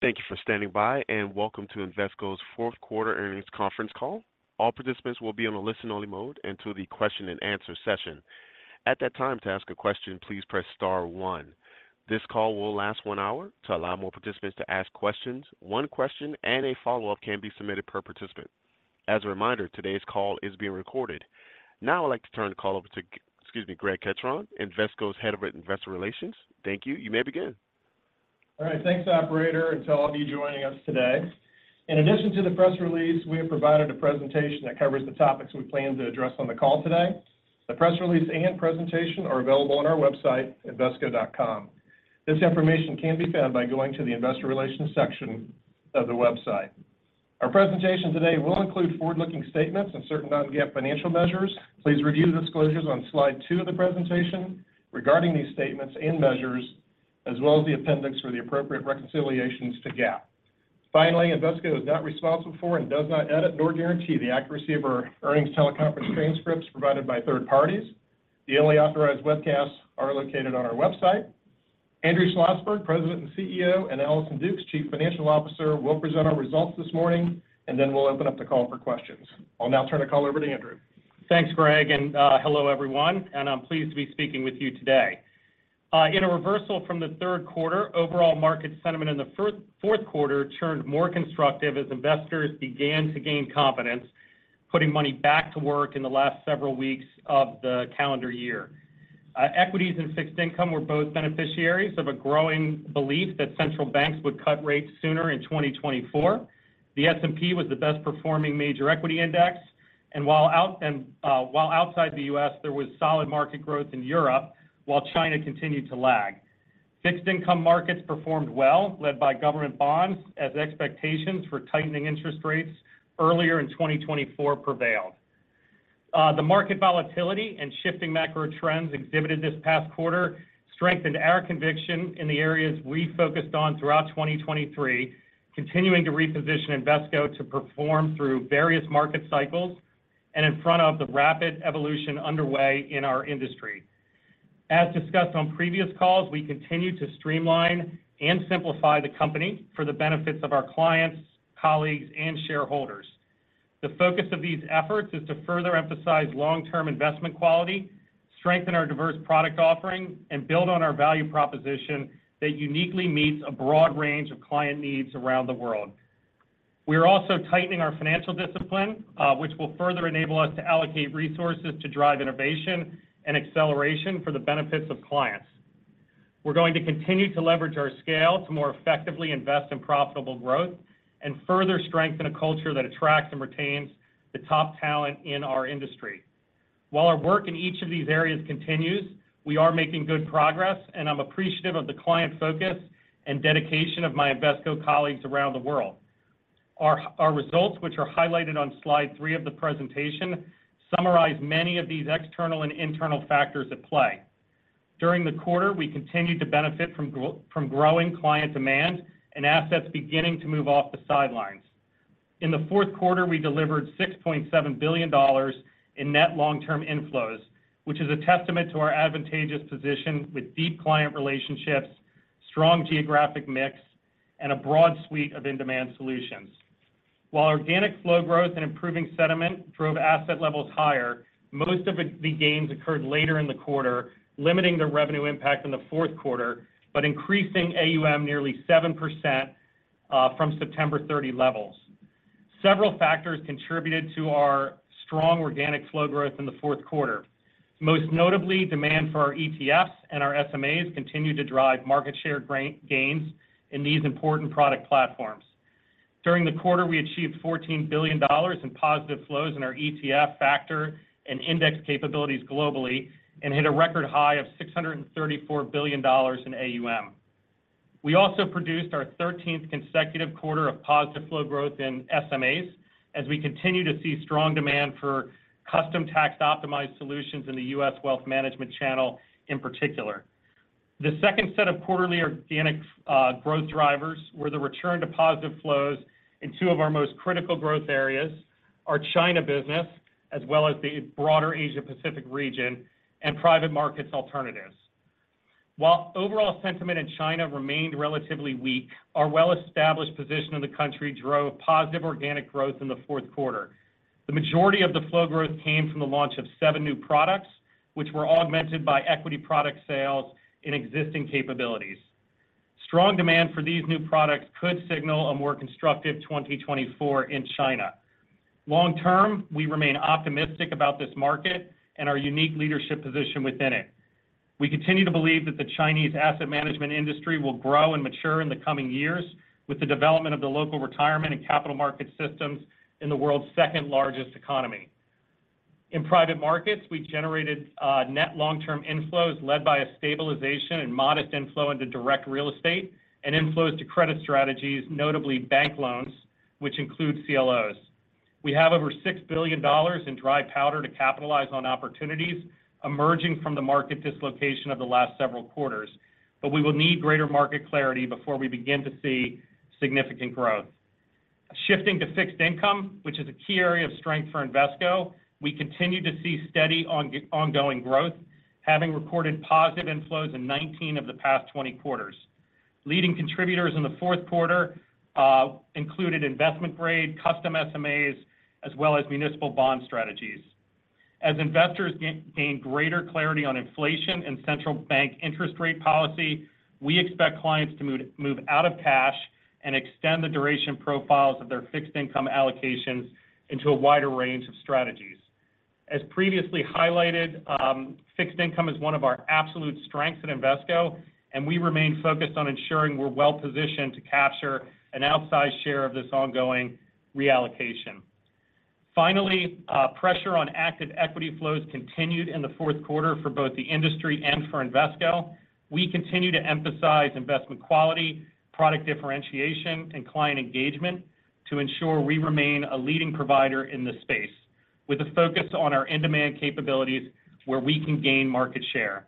Thank you for standing by, and welcome to Invesco's fourth quarter earnings conference call. All participants will be on a listen-only mode until the question and answer session. At that time, to ask a question, please press star one. This call will last one hour. To allow more participants to ask questions, one question and a follow-up can be submitted per participant. As a reminder, today's call is being recorded. Now, I'd like to turn the call over to, excuse me, Greg Ketron, Invesco's Head of Investor Relations. Thank you. You may begin. All right. Thanks, operator, and to all of you joining us today. In addition to the press release, we have provided a presentation that covers the topics we plan to address on the call today. The press release and presentation are available on our website, invesco.com. This information can be found by going to the Investor Relations section of the website. Our presentation today will include forward-looking statements and certain non-GAAP financial measures. Please review the disclosures on slide two of the presentation regarding these statements and measures, as well as the appendix for the appropriate reconciliations to GAAP. Finally, Invesco is not responsible for and does not edit nor guarantee the accuracy of our earnings teleconference transcripts provided by third parties. The only authorized webcasts are located on our website. Andrew Schlossberg, President and CEO, and Allison Dukes, Chief Financial Officer, will present our results this morning, and then we'll open up the call for questions. I'll now turn the call over to Andrew. Thanks, Greg, and hello, everyone. I'm pleased to be speaking with you today. In a reversal from the third quarter, overall market sentiment in the fourth quarter turned more constructive as investors began to gain confidence, putting money back to work in the last several weeks of the calendar year. Equities and fixed income were both beneficiaries of a growing belief that central banks would cut rates sooner in 2024. The S&P was the best performing major equity index, and while outside the U.S., there was solid market growth in Europe, while China continued to lag. Fixed income markets performed well, led by government bonds, as expectations for tightening interest rates earlier in 2024 prevailed. The market volatility and shifting macro trends exhibited this past quarter strengthened our conviction in the areas we focused on throughout 2023, continuing to reposition Invesco to perform through various market cycles and in front of the rapid evolution underway in our industry. As discussed on previous calls, we continue to streamline and simplify the company for the benefits of our clients, colleagues, and shareholders. The focus of these efforts is to further emphasize long-term investment quality, strengthen our diverse product offering, and build on our value proposition that uniquely meets a broad range of client needs around the world. We are also tightening our financial discipline, which will further enable us to allocate resources to drive innovation and acceleration for the benefits of clients. We're going to continue to leverage our scale to more effectively invest in profitable growth and further strengthen a culture that attracts and retains the top talent in our industry. While our work in each of these areas continues, we are making good progress, and I'm appreciative of the client focus and dedication of my Invesco colleagues around the world. Our results, which are highlighted on slide three of the presentation, summarize many of these external and internal factors at play. During the quarter, we continued to benefit from growing client demand and assets beginning to move off the sidelines. In the fourth quarter, we delivered $6.7 billion in net long-term inflows, which is a testament to our advantageous position with deep client relationships, strong geographic mix, and a broad suite of in-demand solutions. While organic flow growth and improving sentiment drove asset levels higher, most of the gains occurred later in the quarter, limiting the revenue impact in the fourth quarter, but increasing AUM nearly 7%, from September 30 levels. Several factors contributed to our strong organic flow growth in the fourth quarter. Most notably, demand for our ETFs and our SMAs continued to drive market share gains in these important product platforms. During the quarter, we achieved $14 billion in positive flows in our ETF factor and index capabilities globally and hit a record high of $634 billion in AUM. We also produced our thirteenth consecutive quarter of positive flow growth in SMAs, as we continue to see strong demand for custom tax-optimized solutions in the U.S. wealth management channel in particular. The second set of quarterly organic growth drivers were the return to positive flows in two of our most critical growth areas, our China business, as well as the broader Asia Pacific region, and private markets alternatives. While overall sentiment in China remained relatively weak, our well-established position in the country drove positive organic growth in the fourth quarter. The majority of the flow growth came from the launch of seven new products, which were augmented by equity product sales in existing capabilities. Strong demand for these new products could signal a more constructive 2024 in China. Long term, we remain optimistic about this market and our unique leadership position within it. We continue to believe that the Chinese asset management industry will grow and mature in the coming years with the development of the local retirement and capital market systems in the world's second-largest economy. In private markets, we generated net long-term inflows led by a stabilization and modest inflow into direct real estate and inflows to credit strategies, notably bank loans, which include CLOs. We have over $6 billion in dry powder to capitalize on opportunities emerging from the market dislocation of the last several quarters, but we will need greater market clarity before we begin to see significant growth. Shifting to fixed income, which is a key area of strength for Invesco, we continue to see steady ongoing growth, having recorded positive inflows in 19 of the past 20 quarters. Leading contributors in the fourth quarter included investment-grade, custom SMAs, as well as municipal bond strategies. As investors gain greater clarity on inflation and central bank interest rate policy, we expect clients to move out of cash and extend the duration profiles of their fixed income allocations into a wider range of strategies. As previously highlighted, fixed income is one of our absolute strengths at Invesco, and we remain focused on ensuring we're well-positioned to capture an outsized share of this ongoing reallocation. Finally, pressure on active equity flows continued in the fourth quarter for both the industry and for Invesco. We continue to emphasize investment quality, product differentiation, and client engagement to ensure we remain a leading provider in this space, with a focus on our in-demand capabilities where we can gain market share.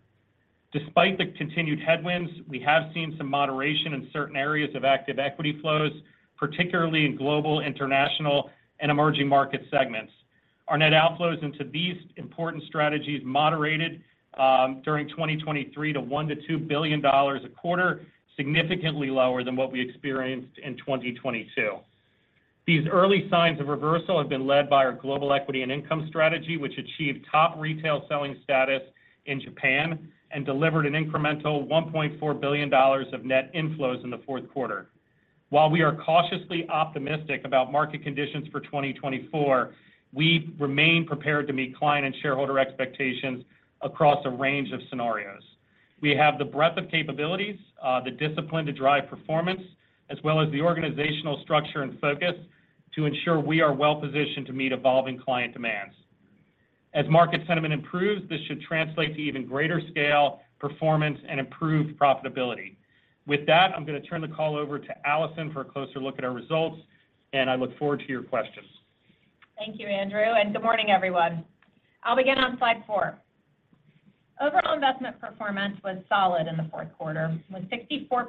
Despite the continued headwinds, we have seen some moderation in certain areas of active equity flows, particularly in global, international, and emerging market segments. Our net outflows into these important strategies moderated during 2023 to $1 billion-$2 billion a quarter, significantly lower than what we experienced in 2022. These early signs of reversal have been led by our global equity and income strategy, which achieved top retail selling status in Japan and delivered an incremental $1.4 billion of net inflows in the fourth quarter. While we are cautiously optimistic about market conditions for 2024, we remain prepared to meet client and shareholder expectations across a range of scenarios. We have the breadth of capabilities, the discipline to drive performance, as well as the organizational structure and focus to ensure we are well-positioned to meet evolving client demands. As market sentiment improves, this should translate to even greater scale, performance, and improved profitability. With that, I'm going to turn the call over to Allison for a closer look at our results, and I look forward to your questions. Thank you, Andrew, and good morning, everyone. I'll begin on slide four. Overall investment performance was solid in the fourth quarter, with 64%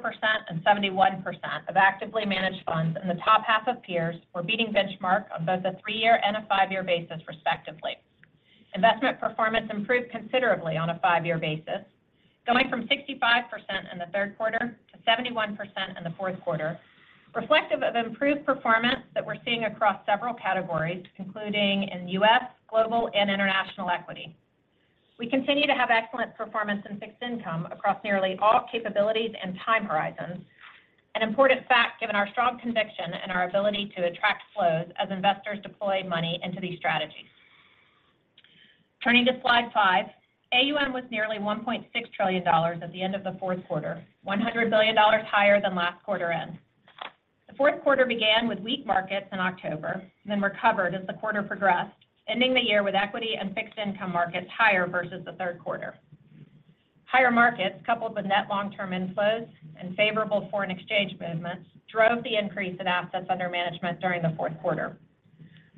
and 71% of actively managed funds in the top half of peers were beating benchmark on both a three year and a five year basis respectively. Investment performance improved considerably on a five year basis, going from 65% in the third quarter to 71% in the fourth quarter, reflective of improved performance that we're seeing across several categories, including in U.S., global, and international equity. We continue to have excellent performance in fixed income across nearly all capabilities and time horizons. An important fact, given our strong conviction and our ability to attract flows as investors deploy money into these strategies. Turning to slide five, AUM was nearly $1.6 trillion at the end of the fourth quarter, $100 billion higher than last quarter end. The fourth quarter began with weak markets in October, then recovered as the quarter progressed, ending the year with equity and fixed income markets higher versus the third quarter. Higher markets, coupled with net long-term inflows and favorable foreign exchange movements, drove the increase in assets under management during the fourth quarter.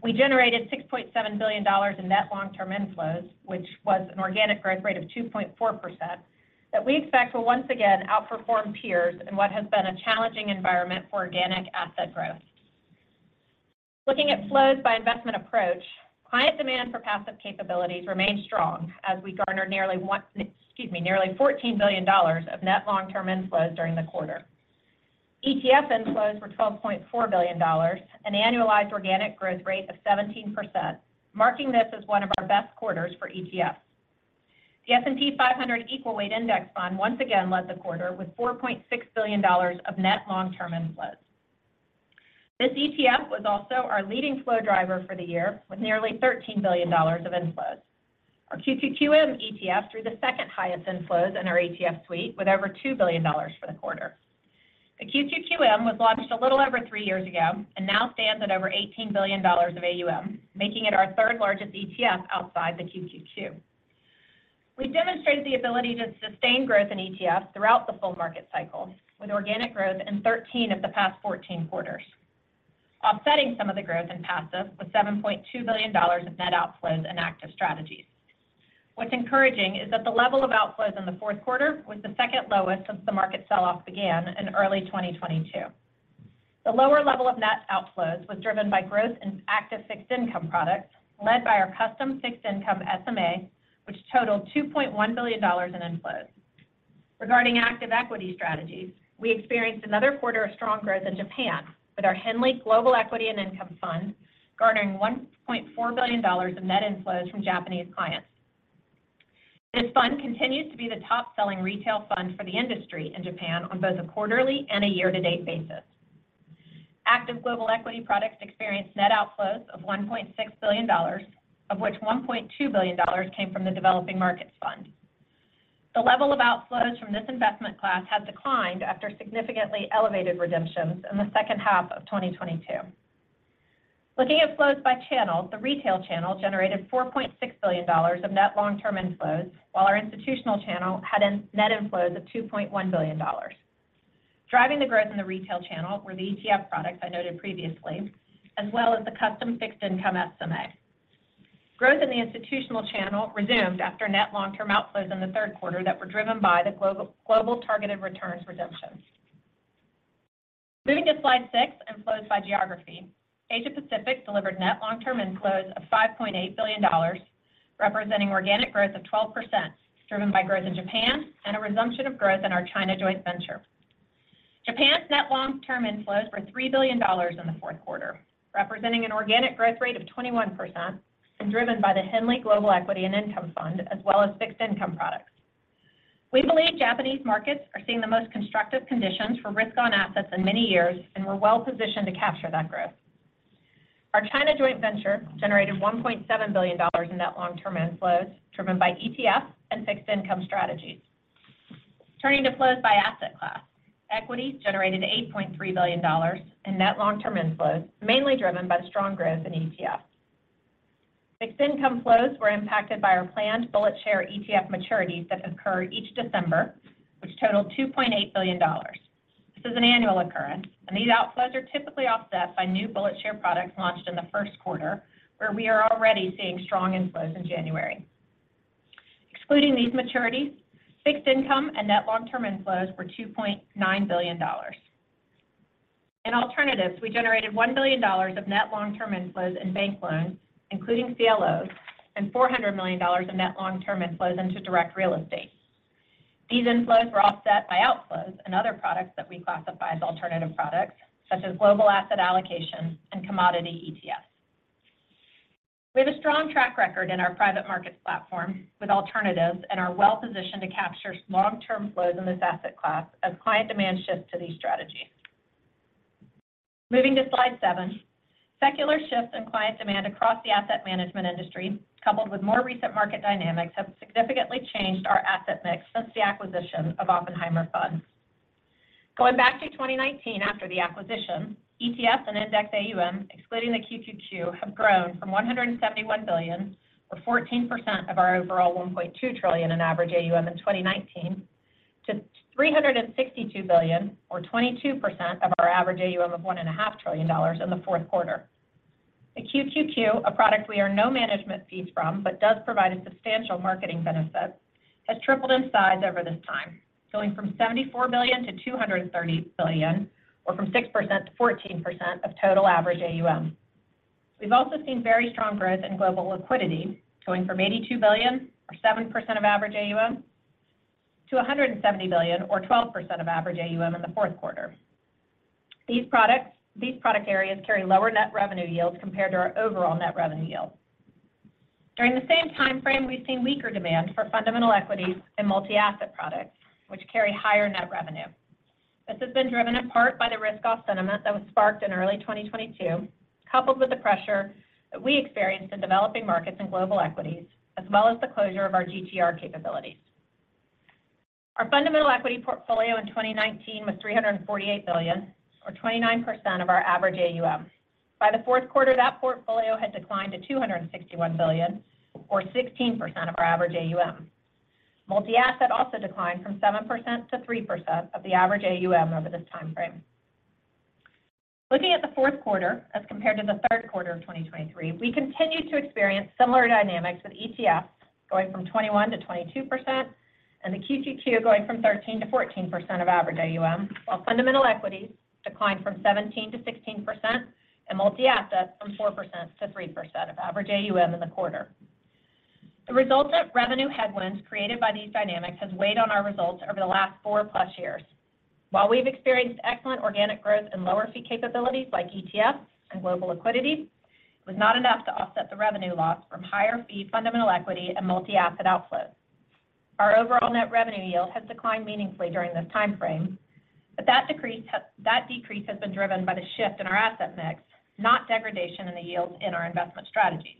We generated $6.7 billion in net long-term inflows, which was an organic growth rate of 2.4%, that we expect will once again outperform peers in what has been a challenging environment for organic asset growth. Looking at flows by investment approach, client demand for passive capabilities remained strong as we garnered nearly $14 billion of net long-term inflows during the quarter. ETF inflows were $12.4 billion, an annualized organic growth rate of 17%, marking this as one of our best quarters for ETFs. The S&P 500 Equal Weight Index Fund once again led the quarter with $4.6 billion of net long-term inflows. This ETF was also our leading flow driver for the year, with nearly $13 billion of inflows. Our QQQM ETF drew the second highest inflows in our ETF suite, with over $2 billion for the quarter. The QQQM was launched a little over three years ago and now stands at over $18 billion of AUM, making it our third-largest ETF outside the QQQ. We demonstrated the ability to sustain growth in ETFs throughout the full market cycle, with organic growth in 13 of the past 14 quarters. Offsetting some of the growth in passive was $7.2 billion of net outflows in active strategies. What's encouraging is that the level of outflows in the fourth quarter was the second lowest since the market sell-off began in early 2022. The lower level of net outflows was driven by growth in active fixed income products, led by our custom fixed income SMA, which totaled $2.1 billion in inflows. Regarding active equity strategies, we experienced another quarter of strong growth in Japan, with our Henley Global Equity and Income Fund garnering $1.4 billion of net inflows from Japanese clients. This fund continues to be the top-selling retail fund for the industry in Japan on both a quarterly and a year-to-date basis. Active global equity products experienced net outflows of $1.6 billion, of which $1.2 billion came from the Developing Markets Fund. The level of outflows from this investment class has declined after significantly elevated redemptions in the second half of 2022. Looking at flows by channel, the retail channel generated $4.6 billion of net long-term inflows, while our institutional channel had net inflows of $2.1 billion. Driving the growth in the retail channel were the ETF products I noted previously, as well as the custom fixed income SMA.... Growth in the institutional channel resumed after net long-term outflows in the third quarter that were driven by the global, Global Targeted Returns redemptions. Moving to slide six, inflows by geography. Asia Pacific delivered net long-term inflows of $5.8 billion, representing organic growth of 12%, driven by growth in Japan and a resumption of growth in our China joint venture. Japan's net long-term inflows were $3 billion in the fourth quarter, representing an organic growth rate of 21% and driven by the Henley Global Equity and Income Fund, as well as fixed income products. We believe Japanese markets are seeing the most constructive conditions for risk-on assets in many years, and we're well-positioned to capture that growth. Our China joint venture generated $1.7 billion in net long-term inflows, driven by ETF and fixed income strategies. Turning to flows by asset class. Equities generated $8.3 billion in net long-term inflows, mainly driven by strong growth in ETFs. Fixed income flows were impacted by our planned BulletShares ETF maturities that occur each December, which totaled $2.8 billion. This is an annual occurrence, and these outflows are typically offset by new BulletShares products launched in the first quarter, where we are already seeing strong inflows in January. Excluding these maturities, fixed income net long-term inflows were $2.9 billion. In alternatives, we generated $1 billion of net long-term inflows in bank loans, including CLOs, and $400 million of net long-term inflows into direct real estate. These inflows were offset by outflows in other products that we classify as alternative products, such as global asset allocation and commodity ETFs. We have a strong track record in our private markets platform with alternatives and are well-positioned to capture long-term flows in this asset class as client demand shifts to these strategies. Moving to slide seven. Secular shifts in client demand across the asset management industry, coupled with more recent market dynamics, have significantly changed our asset mix since the acquisition of OppenheimerFunds. Going back to 2019, after the acquisition, ETFs and index AUM, excluding the QQQ, have grown from $171 billion or 14% of our overall $1.2 trillion in average AUM in 2019, to $362 billion or 22% of our average AUM of $1.5 trillion in the fourth quarter. The QQQ, a product we earn no management fees from, but does provide a substantial marketing benefit, has tripled in size over this time, going from $74 billion-$230 billion, or from 6%-14% of total average AUM. We've also seen very strong growth in global liquidity, going from $82 billion or 7% of average AUM to $170 billion or 12% of average AUM in the fourth quarter. These products, these product areas carry lower net revenue yields compared to our overall net revenue yield. During the same time frame, we've seen weaker demand for fundamental equities and multi-asset products, which carry higher net revenue. This has been driven in part by the risk-off sentiment that was sparked in early 2022, coupled with the pressure that we experienced in developing markets and global equities, as well as the closure of our GTR capabilities. Our fundamental equity portfolio in 2019 was $348 billion, or 29% of our average AUM. By the fourth quarter, that portfolio had declined to $261 billion, or 16% of our average AUM. Multi-asset also declined from 7%-3% of the average AUM over this time frame. Looking at the fourth quarter as compared to the third quarter of 2023, we continued to experience similar dynamics with ETFs going from 21%-22% and the QQQ going from 13%-14% of average AUM, while fundamental equities declined from 17%-16% and multi-asset from 4%-3% of average AUM in the quarter. The results of revenue headwinds created by these dynamics has weighed on our results over the last 4+ years. While we've experienced excellent organic growth in lower fee capabilities like ETFs and global liquidity, it was not enough to offset the revenue loss from higher fee fundamental equity and multi-asset outflows. Our overall net revenue yield has declined meaningfully during this time frame, but that decrease has been driven by the shift in our asset mix, not degradation in the yields in our investment strategies.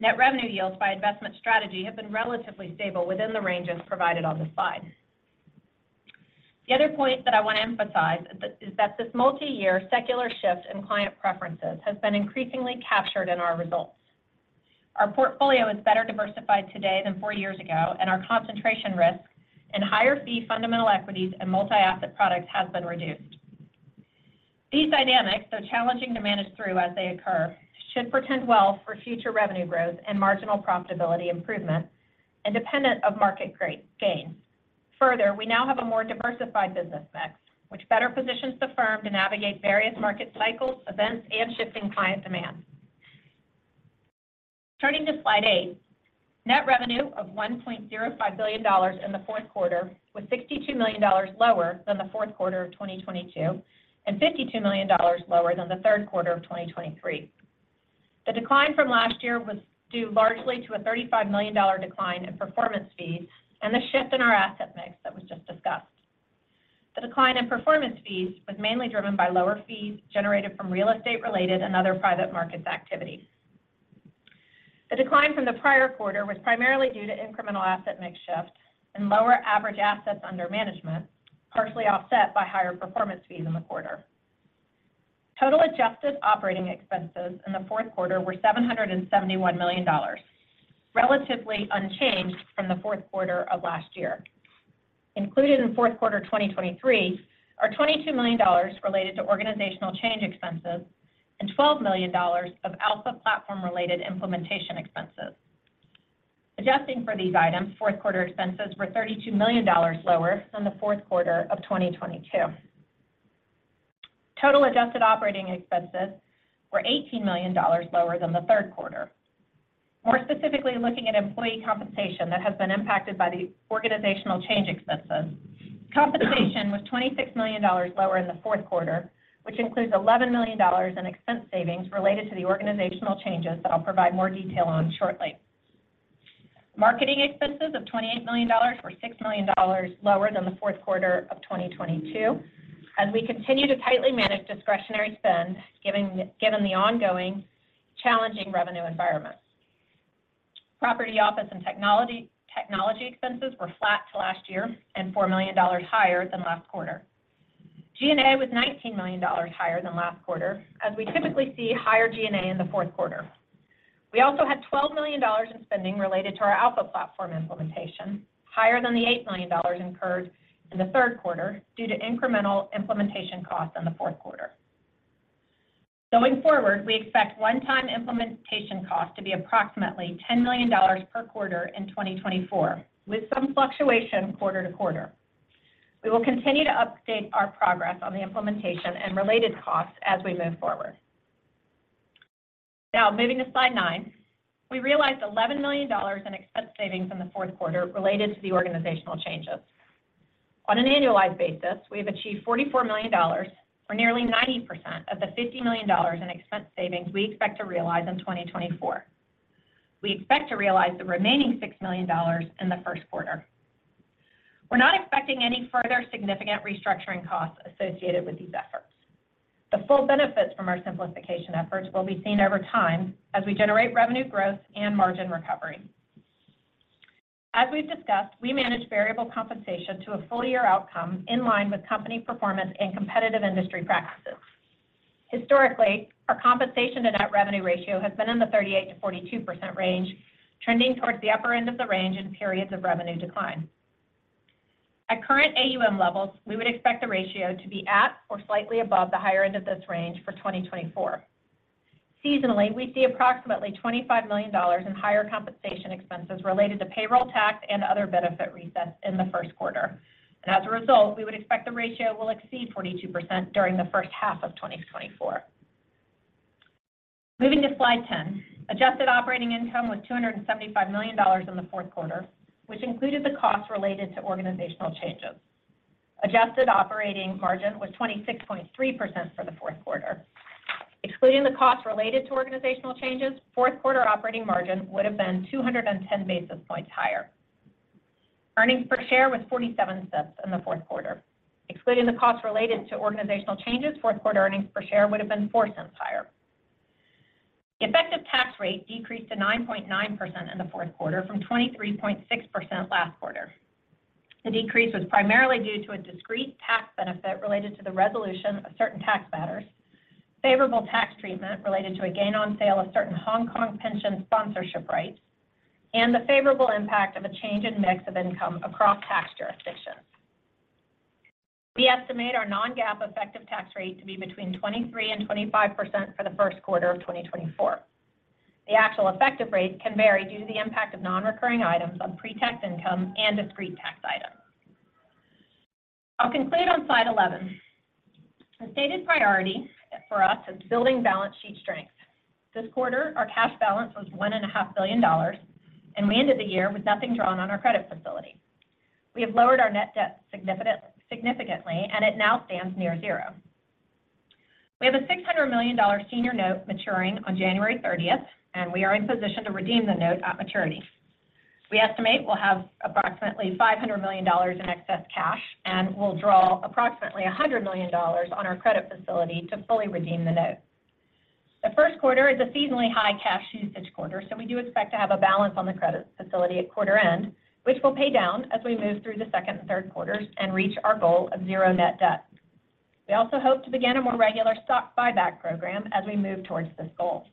net revenue yields by investment strategy have been relatively stable within the ranges provided on this slide. The other point that I want to emphasize is that this multi-year secular shift in client preferences has been increasingly captured in our results. Our portfolio is better diversified today than four years ago, and our concentration risk in higher fee fundamental equities and multi-asset products has been reduced. These dynamics, though challenging to manage through as they occur, should portend well for future revenue growth and marginal profitability improvement independent of market gains. Further, we now have a more diversified business mix, which better positions the firm to navigate various market cycles, events, and shifting client demand. Turning to slide eight, net revenue of $1.05 billion in the fourth quarter was $62 million lower than the fourth quarter of 2022, and $52 million lower than the third quarter of 2023. The decline from last year was due largely to a $35 million decline in performance fees and the shift in our asset mix that was just discussed. The decline in performance fees was mainly driven by lower fees generated from real estate-related and other private markets activities. The decline from the prior quarter was primarily due to incremental asset mix shifts and lower average assets under management, partially offset by higher performance fees in the quarter. Total adjusted operating expenses in the fourth quarter were $771 million, relatively unchanged from the fourth quarter of last year. Included in fourth quarter 2023 are $22 million related to organizational change expenses and $12 million of Alpha platform-related implementation expenses. Adjusting for these items, fourth quarter expenses were $32 million lower than the fourth quarter of 2022. Total adjusted operating expenses were $18 million lower than the third quarter. More specifically, looking at employee compensation that has been impacted by the organizational change expenses, compensation was $26 million lower in the fourth quarter, which includes $11 million in expense savings related to the organizational changes that I'll provide more detail on shortly. Marketing expenses of $28 million were $6 million lower than the fourth quarter of 2022, as we continue to tightly manage discretionary spend, given the ongoing challenging revenue environment. Property, office and technology expenses were flat to last year and $4 million higher than last quarter. G&A was $19 million higher than last quarter, as we typically see higher G&A in the fourth quarter. We also had $12 million in spending related to our Alpha platform implementation, higher than the $8 million incurred in the third quarter due to incremental implementation costs in the fourth quarter. Going forward, we expect one-time implementation costs to be approximately $10 million per quarter in 2024, with some fluctuation quarter to quarter. We will continue to update our progress on the implementation and related costs as we move forward. Now, moving to slide nine. We realized $11 million in expense savings in the fourth quarter related to the organizational changes. On an annualized basis, we have achieved $44 million, or nearly 90% of the $50 million in expense savings we expect to realize in 2024. We expect to realize the remaining $6 million in the first quarter. We're not expecting any further significant restructuring costs associated with these efforts. The full benefits from our simplification efforts will be seen over time as we generate revenue growth and margin recovery. As we've discussed, we manage variable compensation to a full-year outcome in line with company performance and competitive industry practices. Historically, our compensation to net revenue ratio has been in the 38%-42% range, trending towards the upper end of the range in periods of revenue decline. At current AUM levels, we would expect the ratio to be at or slightly above the higher end of this range for 2024. Seasonally, we see approximately $25 million in higher compensation expenses related to payroll tax and other benefit resets in the first quarter. And as a result, we would expect the ratio will exceed 42% during the first half of 2024. Moving to slide 10. Adjusted operating income was $275 million in the fourth quarter, which included the costs related to organizational changes. Adjusted operating margin was 26.3% for the fourth quarter. Excluding the costs related to organizational changes, fourth quarter operating margin would have been 210 basis points higher. Earnings per share was $0.47 in the fourth quarter. Excluding the costs related to organizational changes, fourth quarter earnings per share would have been $0.04 higher. The effective tax rate decreased to 9.9% in the fourth quarter from 23.6% last quarter. The decrease was primarily due to a discrete tax benefit related to the resolution of certain tax matters, favorable tax treatment related to a gain on sale of certain Hong Kong pension sponsorship rights, and the favorable impact of a change in mix of income across tax jurisdictions. We estimate our non-GAAP effective tax rate to be between 23% and 25% for the first quarter of 2024. The actual effective rate can vary due to the impact of non-recurring items on pre-tax income and discrete tax items. I'll conclude on slide 11. The stated priority for us is building balance sheet strength. This quarter, our cash balance was $1.5 billion, and we ended the year with nothing drawn on our credit facility. We have lowered our net debt significantly, and it now stands near zero. We have a $600 million senior note maturing on January 30, and we are in position to redeem the note at maturity. We estimate we'll have approximately $500 million in excess cash, and we'll draw approximately $100 million on our credit facility to fully redeem the note. The first quarter is a seasonally high cash usage quarter, so we do expect to have a balance on the credit facility at quarter end, which will pay down as we move through the second and third quarters and reach our goal of zero net debt. We also hope to begin a more regular stock buyback program as we move towards this goal.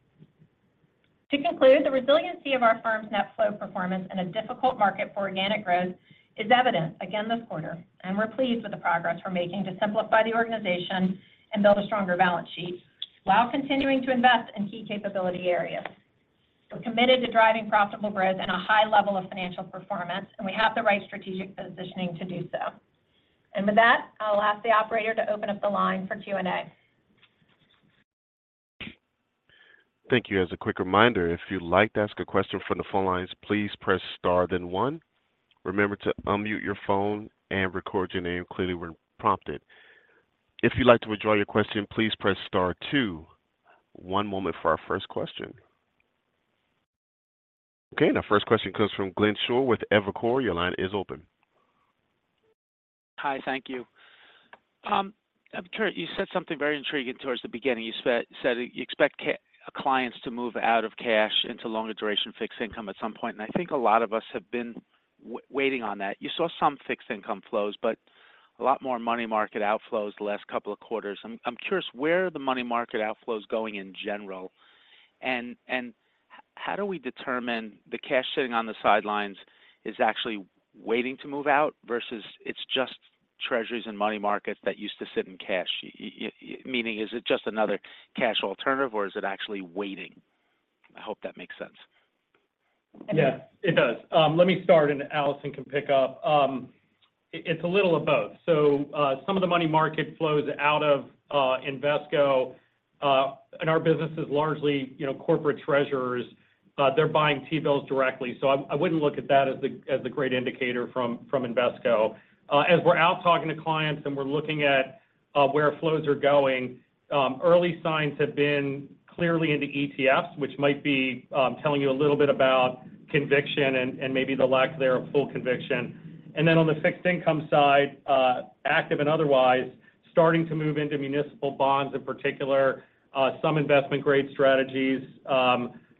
To conclude, the resiliency of our firm's net flow performance in a difficult market for organic growth is evident again this quarter, and we're pleased with the progress we're making to simplify the organization and build a stronger balance sheet while continuing to invest in key capability areas. We're committed to driving profitable growth and a high level of financial performance, and we have the right strategic positioning to do so. With that, I'll ask the operator to open up the line for Q&A. Thank you. As a quick reminder, if you'd like to ask a question from the phone lines, please press star then one. Remember to unmute your phone and record your name clearly when prompted. If you'd like to withdraw your question, please press star two. One moment for our first question. Okay, the first question comes from Glenn Schorr with Evercore. Your line is open. Hi, thank you. You said something very intriguing towards the beginning. You said you expect clients to move out of cash into longer duration fixed income at some point, and I think a lot of us have been waiting on that. You saw some fixed income flows, but a lot more money market outflows the last couple of quarters. I'm curious, where are the money market outflows going in general? And how do we determine the cash sitting on the sidelines is actually waiting to move out versus it's just treasuries and money markets that used to sit in cash? Meaning, is it just another cash alternative, or is it actually waiting? I hope that makes sense. Yeah, it does. Let me start, and Allison can pick up. It's a little of both. So, some of the money market flows out of Invesco, and our business is largely, you know, corporate treasurers, they're buying T-bills directly. So I wouldn't look at that as the great indicator from Invesco. As we're out talking to clients, and we're looking at where flows are going, early signs have been clearly into ETFs, which might be telling you a little bit about conviction and maybe the lack thereof full conviction. And then on the fixed income side, active and otherwise, starting to move into municipal bonds, in particular, some investment grade strategies.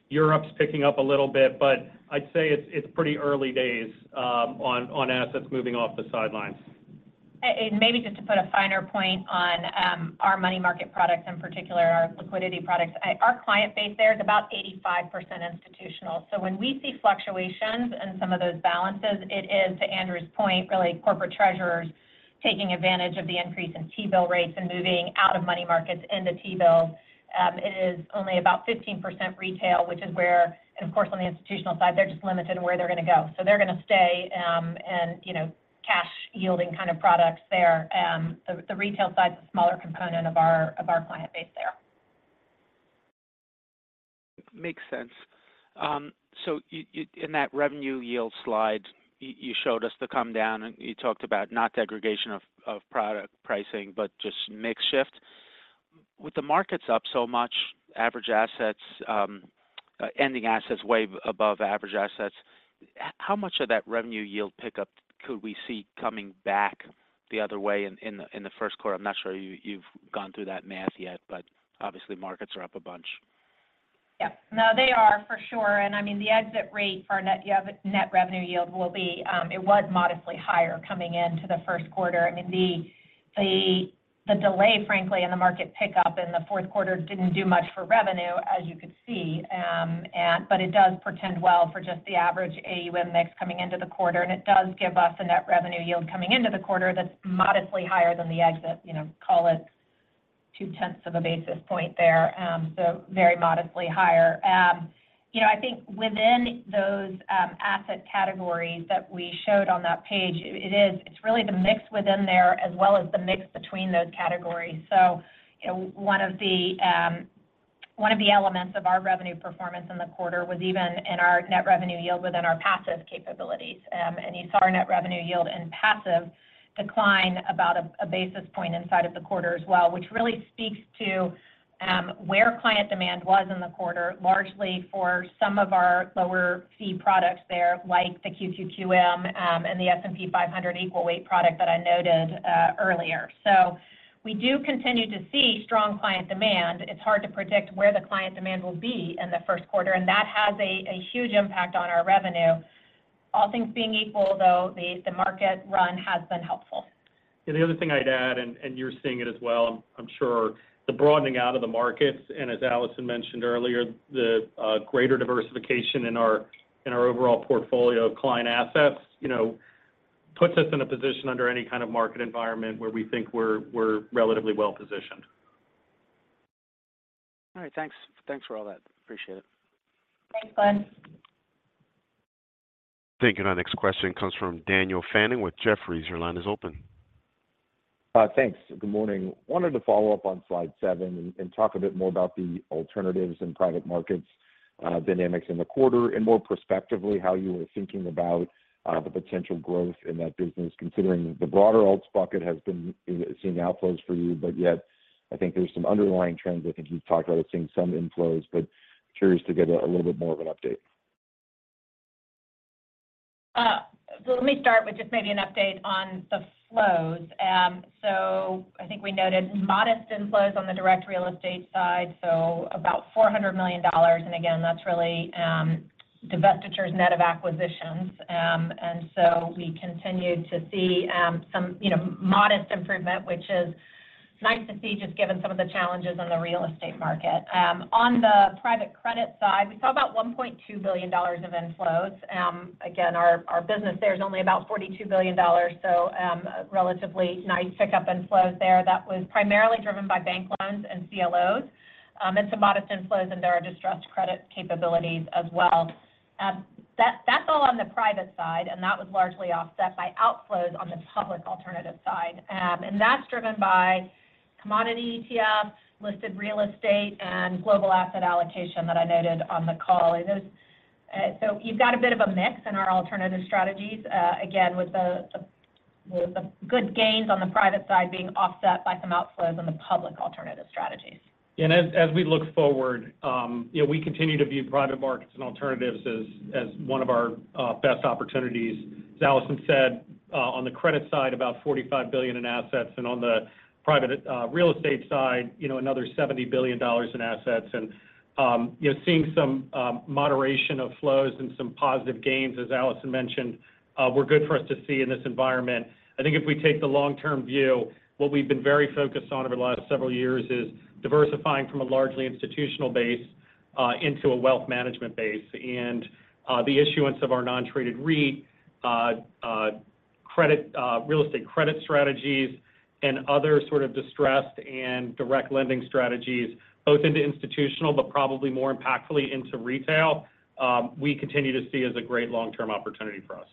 Europe's picking up a little bit, but I'd say it's pretty early days on assets moving off the sidelines. Maybe just to put a finer point on our money market products, in particular our liquidity products. Our client base there is about 85% institutional. So when we see fluctuations in some of those balances, it is, to Andrew's point, really corporate treasurers taking advantage of the increase in T-bill rates and moving out of money markets into T-bills. It is only about 15% retail, which is where... And of course, on the institutional side, they're just limited in where they're gonna go. So they're gonna stay in, you know, cash-yielding kind of products there. The retail side is a smaller component of our client base there. Makes sense. So in that revenue yield slide, you showed us the come down, and you talked about not degradation of, of product pricing, but just mix shift. With the markets up so much, average assets, ending assets way above average assets, how much of that revenue yield pickup could we see coming back the other way in the first quarter? I'm not sure you, you've gone through that math yet, but obviously markets are up a bunch. Yeah. No, they are for sure. And I mean, the exit rate for our net revenue yield will be, it was modestly higher coming into the first quarter. I mean, the delay, frankly, in the market pickup in the fourth quarter didn't do much for revenue, as you could see. But it does portend well for just the average AUM mix coming into the quarter, and it does give us a net revenue yield coming into the quarter that's modestly higher than the exit. You know, call it 0.2 basis points there. So very modestly higher. You know, I think within those asset categories that we showed on that page, it is, it's really the mix within there as well as the mix between those categories. So, you know, one of the elements of our revenue performance in the quarter was even in our net revenue yield within our passive capabilities. And you saw our net revenue yield in passive decline about a basis point inside of the quarter as well, which really speaks to where client demand was in the quarter, largely for some of our lower fee products there, like the QQQM and the S&P 500 Equal Weight product that I noted earlier. So we do continue to see strong client demand. It's hard to predict where the client demand will be in the first quarter, and that has a huge impact on our revenue. All things being equal, though, the market run has been helpful. Yeah, the other thing I'd add, and you're seeing it as well, I'm sure, the broadening out of the markets, and as Allison mentioned earlier, the greater diversification in our overall portfolio of client assets, you know, puts us in a position under any kind of market environment where we think we're relatively well-positioned. All right, thanks. Thanks for all that. Appreciate it. Thanks, Glenn. Thank you. Our next question comes from Daniel Fannon with Jefferies. Your line is open. Thanks. Good morning. Wanted to follow up on slide seven and talk a bit more about the alternatives in private markets, dynamics in the quarter, and more prospectively, how you were thinking about the potential growth in that business, considering the broader alts bucket has been seeing outflows for you, but yet I think there's some underlying trends. I think you've talked about it seeing some inflows, but curious to get a little bit more of an update. So let me start with just maybe an update on the flows. So I think we noted modest inflows on the direct real estate side, so about $400 million. And again, that's really, divestitures net of acquisitions. And so we continued to see, some, you know, modest improvement, which is nice to see, just given some of the challenges in the real estate market. On the private credit side, we saw about $1.2 billion of inflows. Again, our business there is only about $42 billion, so, a relatively nice pickup in flows there. That was primarily driven by bank loans and CLOs, and some modest inflows into our distressed credit capabilities as well. That, that's all on the private side, and that was largely offset by outflows on the public alternative side. And that's driven by commodity ETFs, listed real estate, and global asset allocation that I noted on the call. It is. So you've got a bit of a mix in our alternative strategies, again, with the good gains on the private side being offset by some outflows on the public alternative strategies. And as we look forward, you know, we continue to view private markets and alternatives as one of our best opportunities. As Allison said, on the credit side, about $45 billion in assets, and on the private real estate side, you know, another $70 billion in assets. And, you know, seeing some moderation of flows and some positive gains, as Allison mentioned, were good for us to see in this environment. I think if we take the long-term view, what we've been very focused on over the last several years is diversifying from a largely institutional base into a wealth management base. And the issuance of our non-traded REIT,... credit, real estate credit strategies and other sort of distressed and direct lending strategies, both into institutional, but probably more impactfully into retail, we continue to see as a great long-term opportunity for us.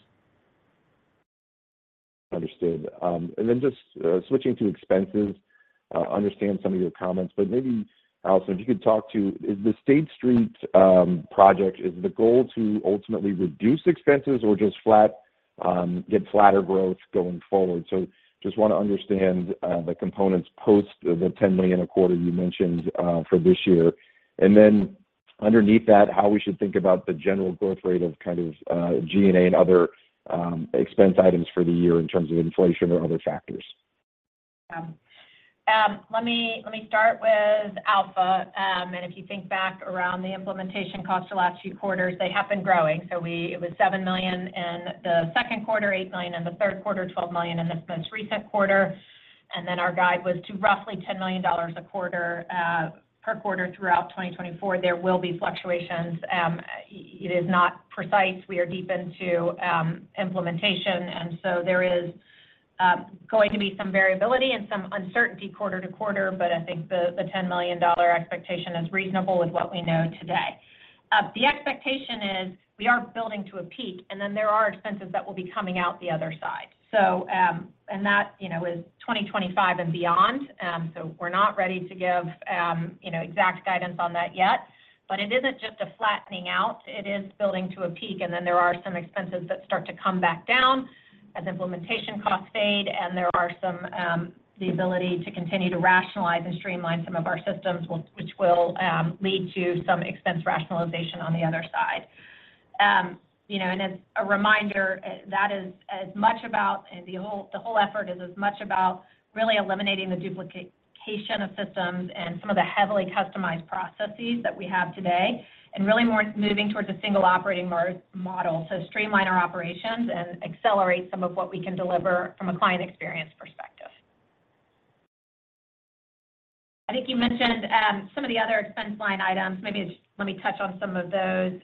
Understood. And then just switching to expenses, understand some of your comments, but maybe, Allison, if you could talk to is the State Street project, is the goal to ultimately reduce expenses or just flat get flatter growth going forward? So just want to understand the components post the $10 million a quarter you mentioned for this year. And then underneath that, how we should think about the general growth rate of kind of G&A and other expense items for the year in terms of inflation or other factors? Let me start with Alpha. If you think back around the implementation cost the last few quarters, they have been growing. It was $7 million in the second quarter, $8 million in the third quarter, $12 million in this most recent quarter, and then our guide was to roughly $10 million a quarter per quarter throughout 2024. There will be fluctuations. It is not precise. We are deep into implementation, and so there is going to be some variability and some uncertainty quarter to quarter, but I think the $10 million expectation is reasonable with what we know today. The expectation is we are building to a peak, and then there are expenses that will be coming out the other side. So, and that, you know, is 2025 and beyond. So we're not ready to give, you know, exact guidance on that yet, but it isn't just a flattening out. It is building to a peak, and then there are some expenses that start to come back down as implementation costs fade, and there are some, the ability to continue to rationalize and streamline some of our systems, which will, lead to some expense rationalization on the other side. You know, and as a reminder, that is as much about... and the whole effort is as much about really eliminating the duplication of systems and some of the heavily customized processes that we have today, and really more moving towards a single operating model, so streamline our operations and accelerate some of what we can deliver from a client experience perspective. I think you mentioned, some of the other expense line items. Maybe just let me touch on some of those.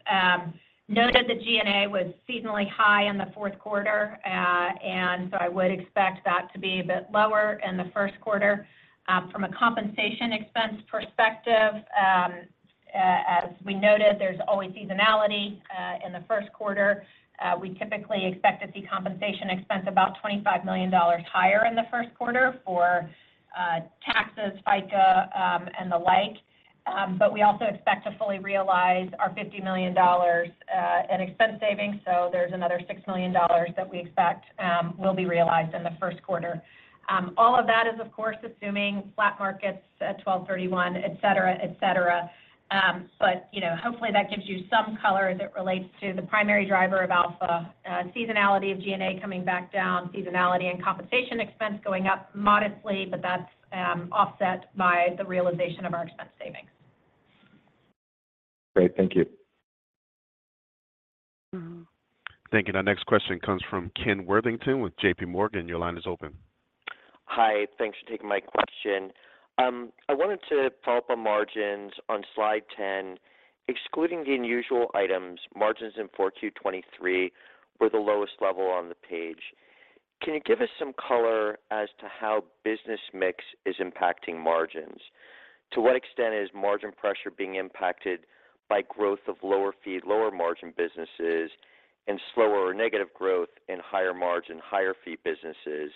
Noted that G&A was seasonally high in the fourth quarter, and so I would expect that to be a bit lower in the first quarter. From a compensation expense perspective, as we noted, there's always seasonality. In the first quarter, we typically expect to see compensation expense about $25 million higher in the first quarter for, taxes, FICA, and the like. But we also expect to fully realize our $50 million, in expense savings, so there's another $6 million that we expect, will be realized in the first quarter. All of that is, of course, assuming flat markets at 12/31, et cetera, et cetera. But, you know, hopefully that gives you some color as it relates to the primary driver of Alpha, seasonality of G&A coming back down, seasonality and compensation expense going up modestly, but that's offset by the realization of our expense savings. Great. Thank you. Thank you. Our next question comes from Ken Worthington with JPMorgan. Your line is open. Hi, thanks for taking my question. I wanted to follow up on margins on slide 10. Excluding the unusual items, margins in 4Q 2023 were the lowest level on the page. Can you give us some color as to how business mix is impacting margins? To what extent is margin pressure being impacted by growth of lower fee, lower margin businesses, and slower or negative growth in higher margin, higher fee businesses?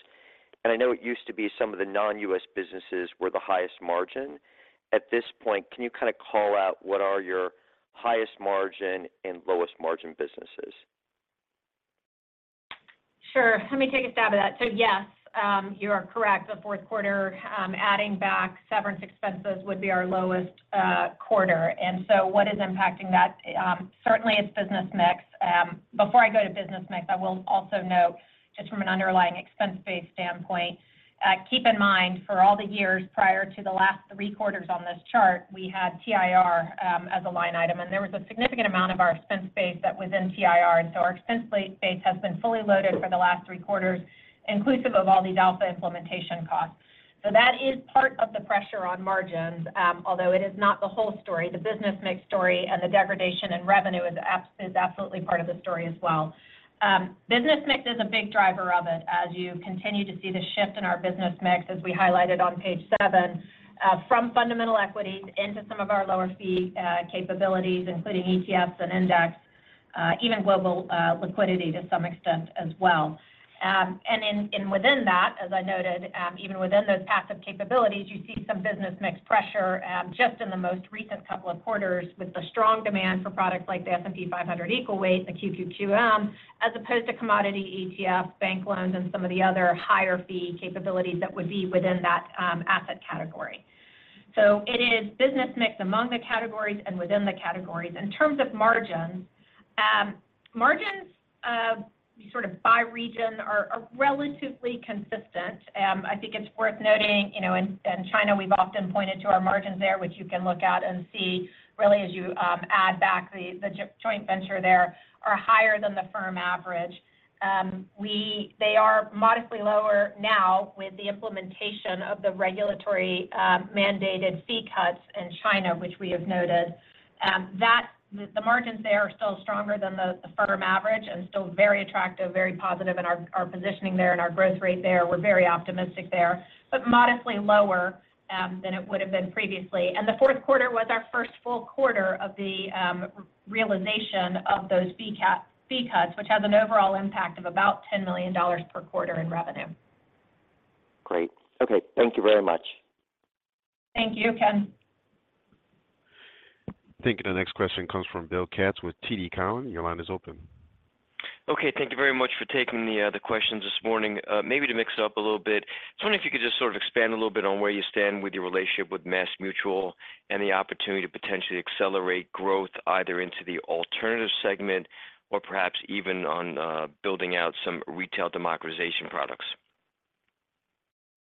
And I know it used to be some of the non-U.S. businesses were the highest margin. At this point, can you kind of call out what are your highest margin and lowest margin businesses? Sure. Let me take a stab at that. So yes, you are correct. The fourth quarter, adding back severance expenses would be our lowest quarter. And so what is impacting that? Certainly it's business mix. Before I go to business mix, I will also note just from an underlying expense base standpoint, keep in mind, for all the years prior to the last three quarters on this chart, we had TIR as a line item, and there was a significant amount of our expense base that was in TIR. And so our expense base has been fully loaded for the last three quarters, inclusive of all these Alpha implementation costs. So that is part of the pressure on margins, although it is not the whole story. The business mix story and the degradation in revenue is absolutely part of the story as well. Business mix is a big driver of it, as you continue to see the shift in our business mix, as we highlighted on page seven, from fundamental equities into some of our lower-fee capabilities, including ETFs and index, even global liquidity to some extent as well. And within that, as I noted, even within those passive capabilities, you see some business mix pressure, just in the most recent couple of quarters, with the strong demand for products like the S&P 500 Equal Weight, the QQQM, as opposed to commodity ETFs, bank loans, and some of the other higher-fee capabilities that would be within that asset category. So it is business mix among the categories and within the categories. In terms of margins, margins by region are relatively consistent. I think it's worth noting, you know, in China, we've often pointed to our margins there, which you can look at and see really as you add back the joint venture there, are higher than the firm average. They are modestly lower now with the implementation of the regulatory mandated fee cuts in China, which we have noted. That the margins there are still stronger than the firm average and still very attractive, very positive in our positioning there and our growth rate there. We're very optimistic there, but modestly lower than it would've been previously. The fourth quarter was our first full quarter of the realization of those fee cut, fee cuts, which has an overall impact of about $10 million per quarter in revenue. Great. Okay, thank you very much. Thank you, Ken. I think the next question comes from Bill Katz with TD Cowen. Your line is open. Okay, thank you very much for taking the questions this morning. Maybe to mix it up a little bit, just wondering if you could just sort of expand a little bit on where you stand with your relationship with MassMutual and the opportunity to potentially accelerate growth, either into the alternative segment or perhaps even on building out some retail democratization products?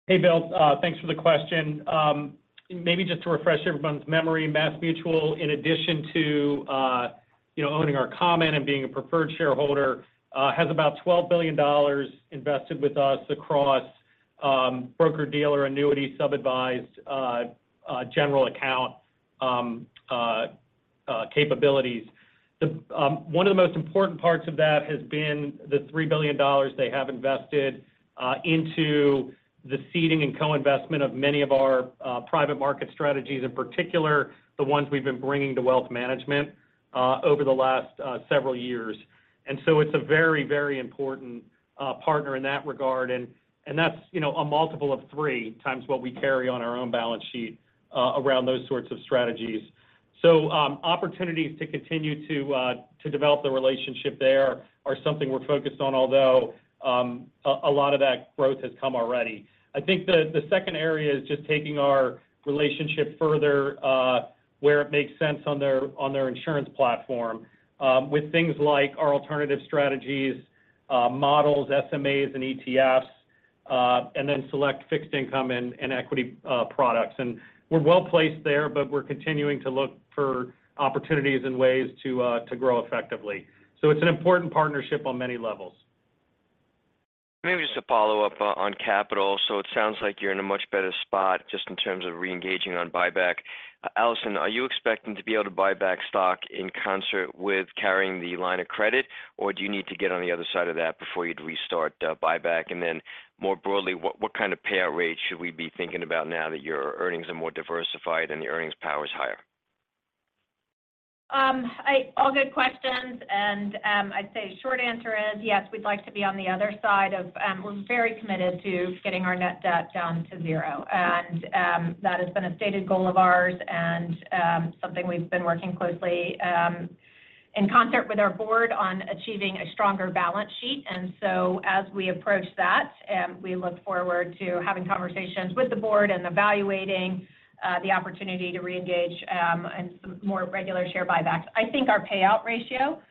Hey, Bill, thanks for the question. Maybe just to refresh everyone's memory, MassMutual, in addition to, you know, owning our common and being a preferred shareholder, has about $12 billion invested with us across broker-dealer, annuity, sub-advised, general account capabilities. One of the most important parts of that has been the $3 billion they have invested into the seeding and co-investment of many of our private market strategies, in particular, the ones we've been bringing to wealth management over the last several years. And so it's a very, very important partner in that regard. And that's, you know, a multiple of three times what we carry on our own balance sheet around those sorts of strategies. So, opportunities to continue to develop the relationship there are something we're focused on, although a lot of that growth has come already. I think the second area is just taking our relationship further, where it makes sense on their insurance platform, with things like our alternative strategies, models, SMAs and ETFs, and then select fixed income and equity products. And we're well placed there, but we're continuing to look for opportunities and ways to grow effectively. So it's an important partnership on many levels. Maybe just a follow-up on capital. So it sounds like you're in a much better spot just in terms of reengaging on buyback. Allison, are you expecting to be able to buy back stock in concert with carrying the line of credit? Or do you need to get on the other side of that before you'd restart buyback? And then, more broadly, what, what kind of payout rate should we be thinking about now that your earnings are more diversified and the earnings power is higher? All good questions, and I'd say short answer is, yes, we'd like to be on the other side of... We're very committed to getting our net debt down to zero. And that has been a stated goal of ours and something we've been working closely in concert with our board on achieving a stronger balance sheet. And so as we approach that, we look forward to having conversations with the board and evaluating the opportunity to reengage in some more regular share buybacks. I think our payout ratio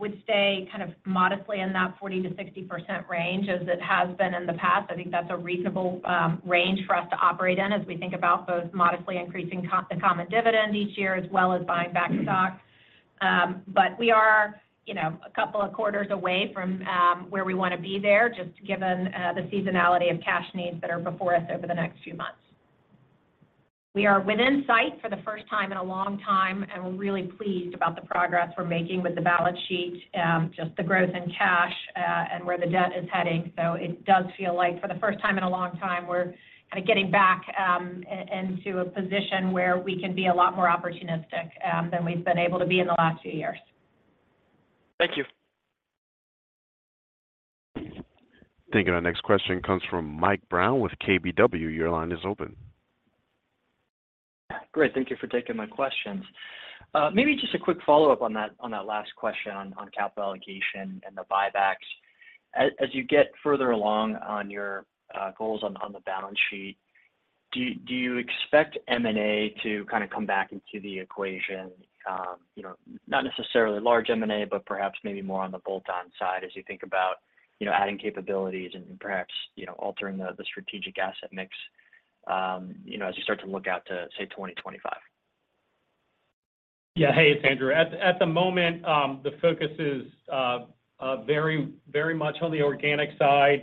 would stay kind of modestly in that 40%-60% range as it has been in the past. I think that's a reasonable range for us to operate in as we think about both modestly increasing co- the common dividend each year, as well as buying back stock. But we are, you know, a couple of quarters away from where we want to be there, just given the seasonality of cash needs that are before us over the next few months. We are within sight for the first time in a long time, and we're really pleased about the progress we're making with the balance sheet, just the growth in cash, and where the debt is heading. So it does feel like for the first time in a long time, we're kind of getting back into a position where we can be a lot more opportunistic than we've been able to be in the last few years. Thank you. I think our next question comes from Mike Brown with KBW. Your line is open. Great. Thank you for taking my questions. Maybe just a quick follow-up on that, on that last question on, on capital allocation and the buybacks. As, as you get further along on your, goals on, on the balance sheet, do, do you expect M&A to kind of come back into the equation? You know, not necessarily large M&A, but perhaps maybe more on the bolt-on side as you think about, you know, adding capabilities and perhaps, you know, altering the, the strategic asset mix, you know, as you start to look out to, say, 2025. Yeah. Hey, it's Andrew. At the moment, the focus is very, very much on the organic side.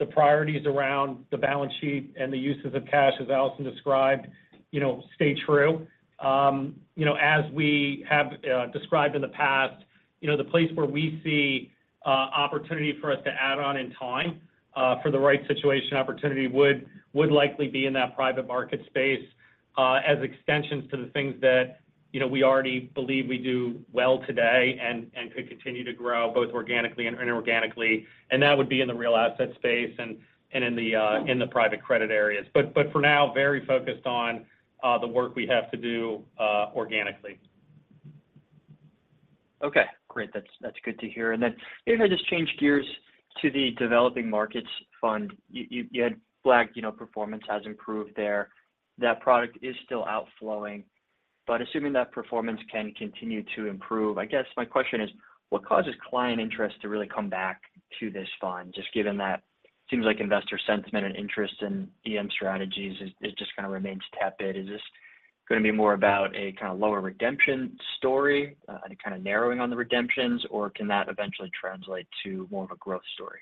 The priorities around the balance sheet and the uses of cash, as Allison described, you know, stay true. You know, as we have described in the past, you know, the place where we see opportunity for us to add on in time, for the right situation, opportunity would likely be in that private market space, as extensions to the things that, you know, we already believe we do well today and could continue to grow both organically and inorganically. And that would be in the real asset space and in the private credit areas. But for now, very focused on the work we have to do organically. Okay, great. That's good to hear. And then maybe if I just change gears to the Developing Markets Fund. You had flagged, you know, performance has improved there. That product is still outflowing.... But assuming that performance can continue to improve, I guess my question is, what causes client interest to really come back to this fund? Just given that, it seems like investor sentiment and interest in EM strategies is just kind of remains tepid. Is this going to be more about a kind of lower redemption story, and a kind of narrowing on the redemptions, or can that eventually translate to more of a growth story?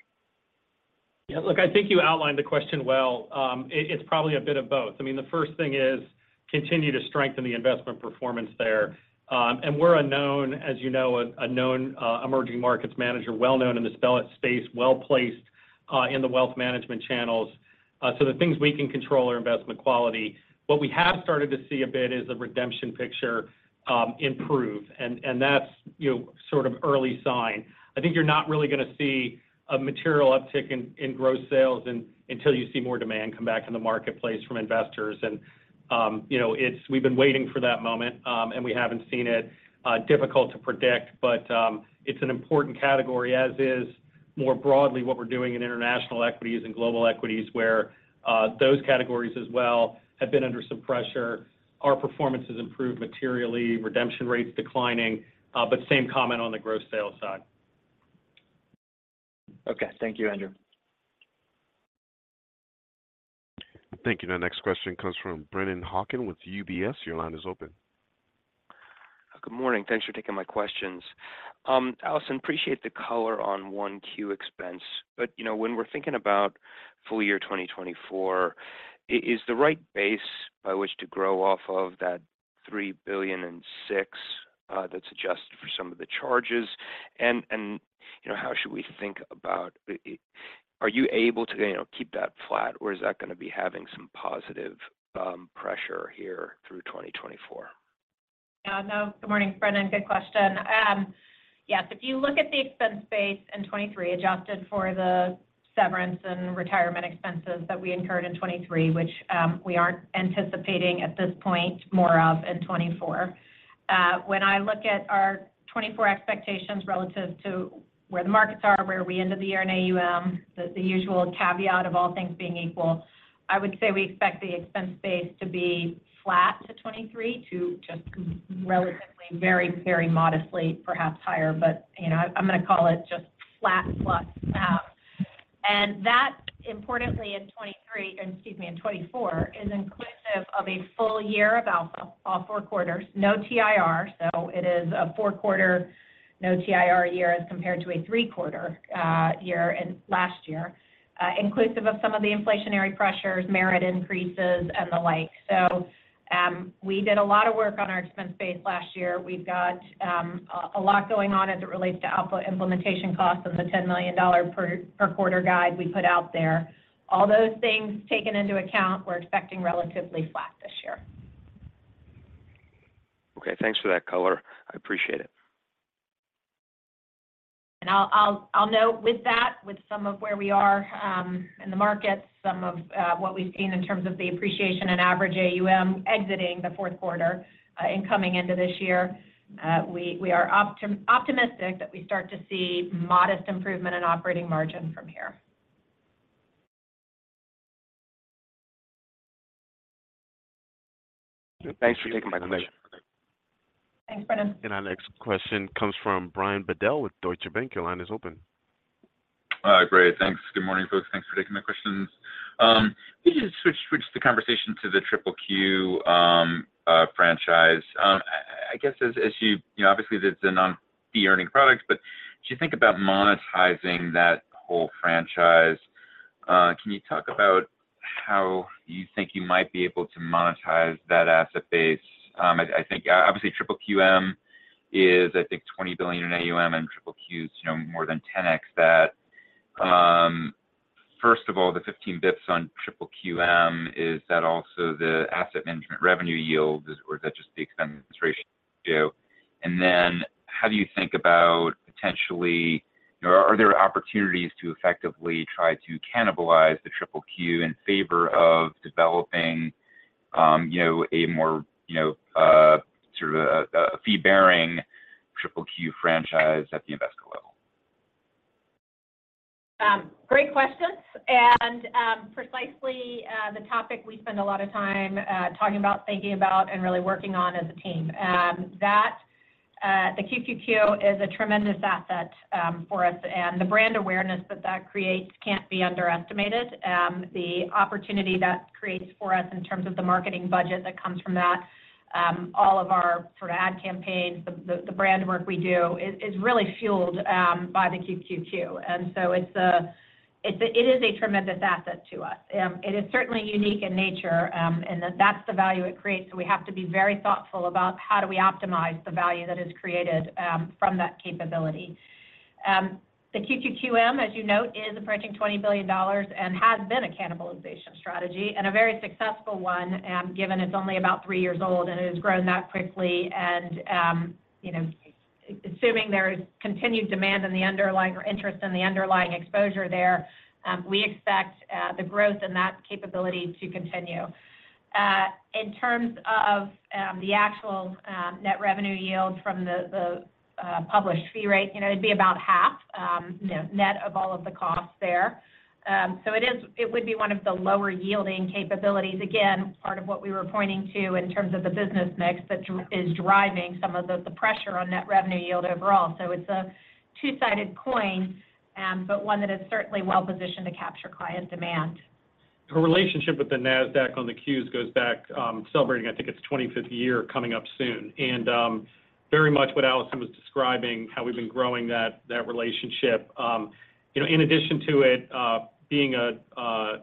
Yeah, look, I think you outlined the question well. It, it's probably a bit of both. I mean, the first thing is continue to strengthen the investment performance there. And we're a known, as you know, a known emerging markets manager, well known in the space, well placed in the wealth management channels. So the things we can control are investment quality. What we have started to see a bit is the redemption picture improve, and that's, you know, sort of early sign. I think you're not really going to see a material uptick in gross sales until you see more demand come back in the marketplace from investors. And, you know, it's we've been waiting for that moment, and we haven't seen it. Difficult to predict, but it's an important category, as is more broadly, what we're doing in international equities and global equities, where those categories as well have been under some pressure. Our performance has improved materially, redemption rates declining, but same comment on the gross sales side. Okay. Thank you, Andrew. Thank you. The next question comes from Brennan Hawken with UBS. Your line is open. Good morning. Thanks for taking my questions. Allison, appreciate the color on 1Q expense, but, you know, when we're thinking about full year 2024, is the right base by which to grow off of that $3 billion and $6 million, that's adjusted for some of the charges, and, you know, how should we think about? Are you able to, you know, keep that flat, or is that going to be having some positive pressure here through 2024? Yeah, no, good morning, Brennan. Good question. Yes, if you look at the expense base in 2023, adjusted for the severance and retirement expenses that we incurred in 2023, which, we aren't anticipating at this point more of in 2024. When I look at our 2024 expectations relative to where the markets are, where we ended the year in AUM, the usual caveat of all things being equal, I would say we expect the expense base to be flat to 2023, to just relatively very, very modestly, perhaps higher. But, you know, I'm going to call it just flat plus half. And that, importantly, in 2023, excuse me, in 2024, is inclusive of a full year of Alpha, all four quarters, no TIR. So it is a four-quarter, no TIR year as compared to a three-quarter, year in last year. Inclusive of some of the inflationary pressures, merit increases, and the like. So, we did a lot of work on our expense base last year. We've got a lot going on as it relates to Alpha implementation costs and the $10 million per quarter guide we put out there. All those things taken into account, we're expecting relatively flat this year. Okay, thanks for that color. I appreciate it. I'll note with that, with some of where we are in the markets, some of what we've seen in terms of the appreciation and average AUM exiting the fourth quarter and coming into this year, we are optimistic that we start to see modest improvement in operating margin from here. Thanks for taking my question. Thanks, Brennan. Our next question comes from Brian Bedell with Deutsche Bank. Your line is open. Great. Thanks. Good morning, folks. Thanks for taking my questions. We just switch the conversation to the QQQ franchise. I guess as you know, obviously, this is a non-fee earning product, but as you think about monetizing that whole franchise, can you talk about how you think you might be able to monetize that asset base? I think, obviously, QQQM is, I think, $20 billion in AUM, and QQQ is, you know, more than 10x that. First of all, the 15 bps on QQQM, is that also the asset management revenue yield, or is that just the expense ratio? And then how do you think about potentially, are there opportunities to effectively try to cannibalize the QQQ in favor of developing, you know, a more, you know, sort of a fee-bearing QQQ franchise at the investor level? Great questions, and precisely the topic we spend a lot of time talking about, thinking about, and really working on as a team. That the QQQ is a tremendous asset for us, and the brand awareness that that creates can't be underestimated. The opportunity that creates for us in terms of the marketing budget that comes from that, all of our sort of ad campaigns, the brand work we do is really fueled by the QQQ. And so it is a tremendous asset to us, it is certainly unique in nature, and that's the value it creates. So we have to be very thoughtful about how we optimize the value that is created from that capability. The QQQM, as you note, is approaching $20 billion and has been a cannibalization strategy and a very successful one, given it's only about three years old and it has grown that quickly. And, you know, assuming there is continued demand in the underlying or interest in the underlying exposure there, we expect the growth in that capability to continue. In terms of the actual net revenue yield from the published fee rate, you know, it'd be about half, you know, net of all of the costs there. So it would be one of the lower yielding capabilities. Again, part of what we were pointing to in terms of the business mix that is driving some of the pressure on net revenue yield overall. So it's a two-sided coin, but one that is certainly well-positioned to capture client demand. Our relationship with the Nasdaq on the Qs goes back, celebrating, I think it's 25th year coming up soon. And, very much what Allison was describing, how we've been growing that, that relationship. You know, in addition to it, being a, a,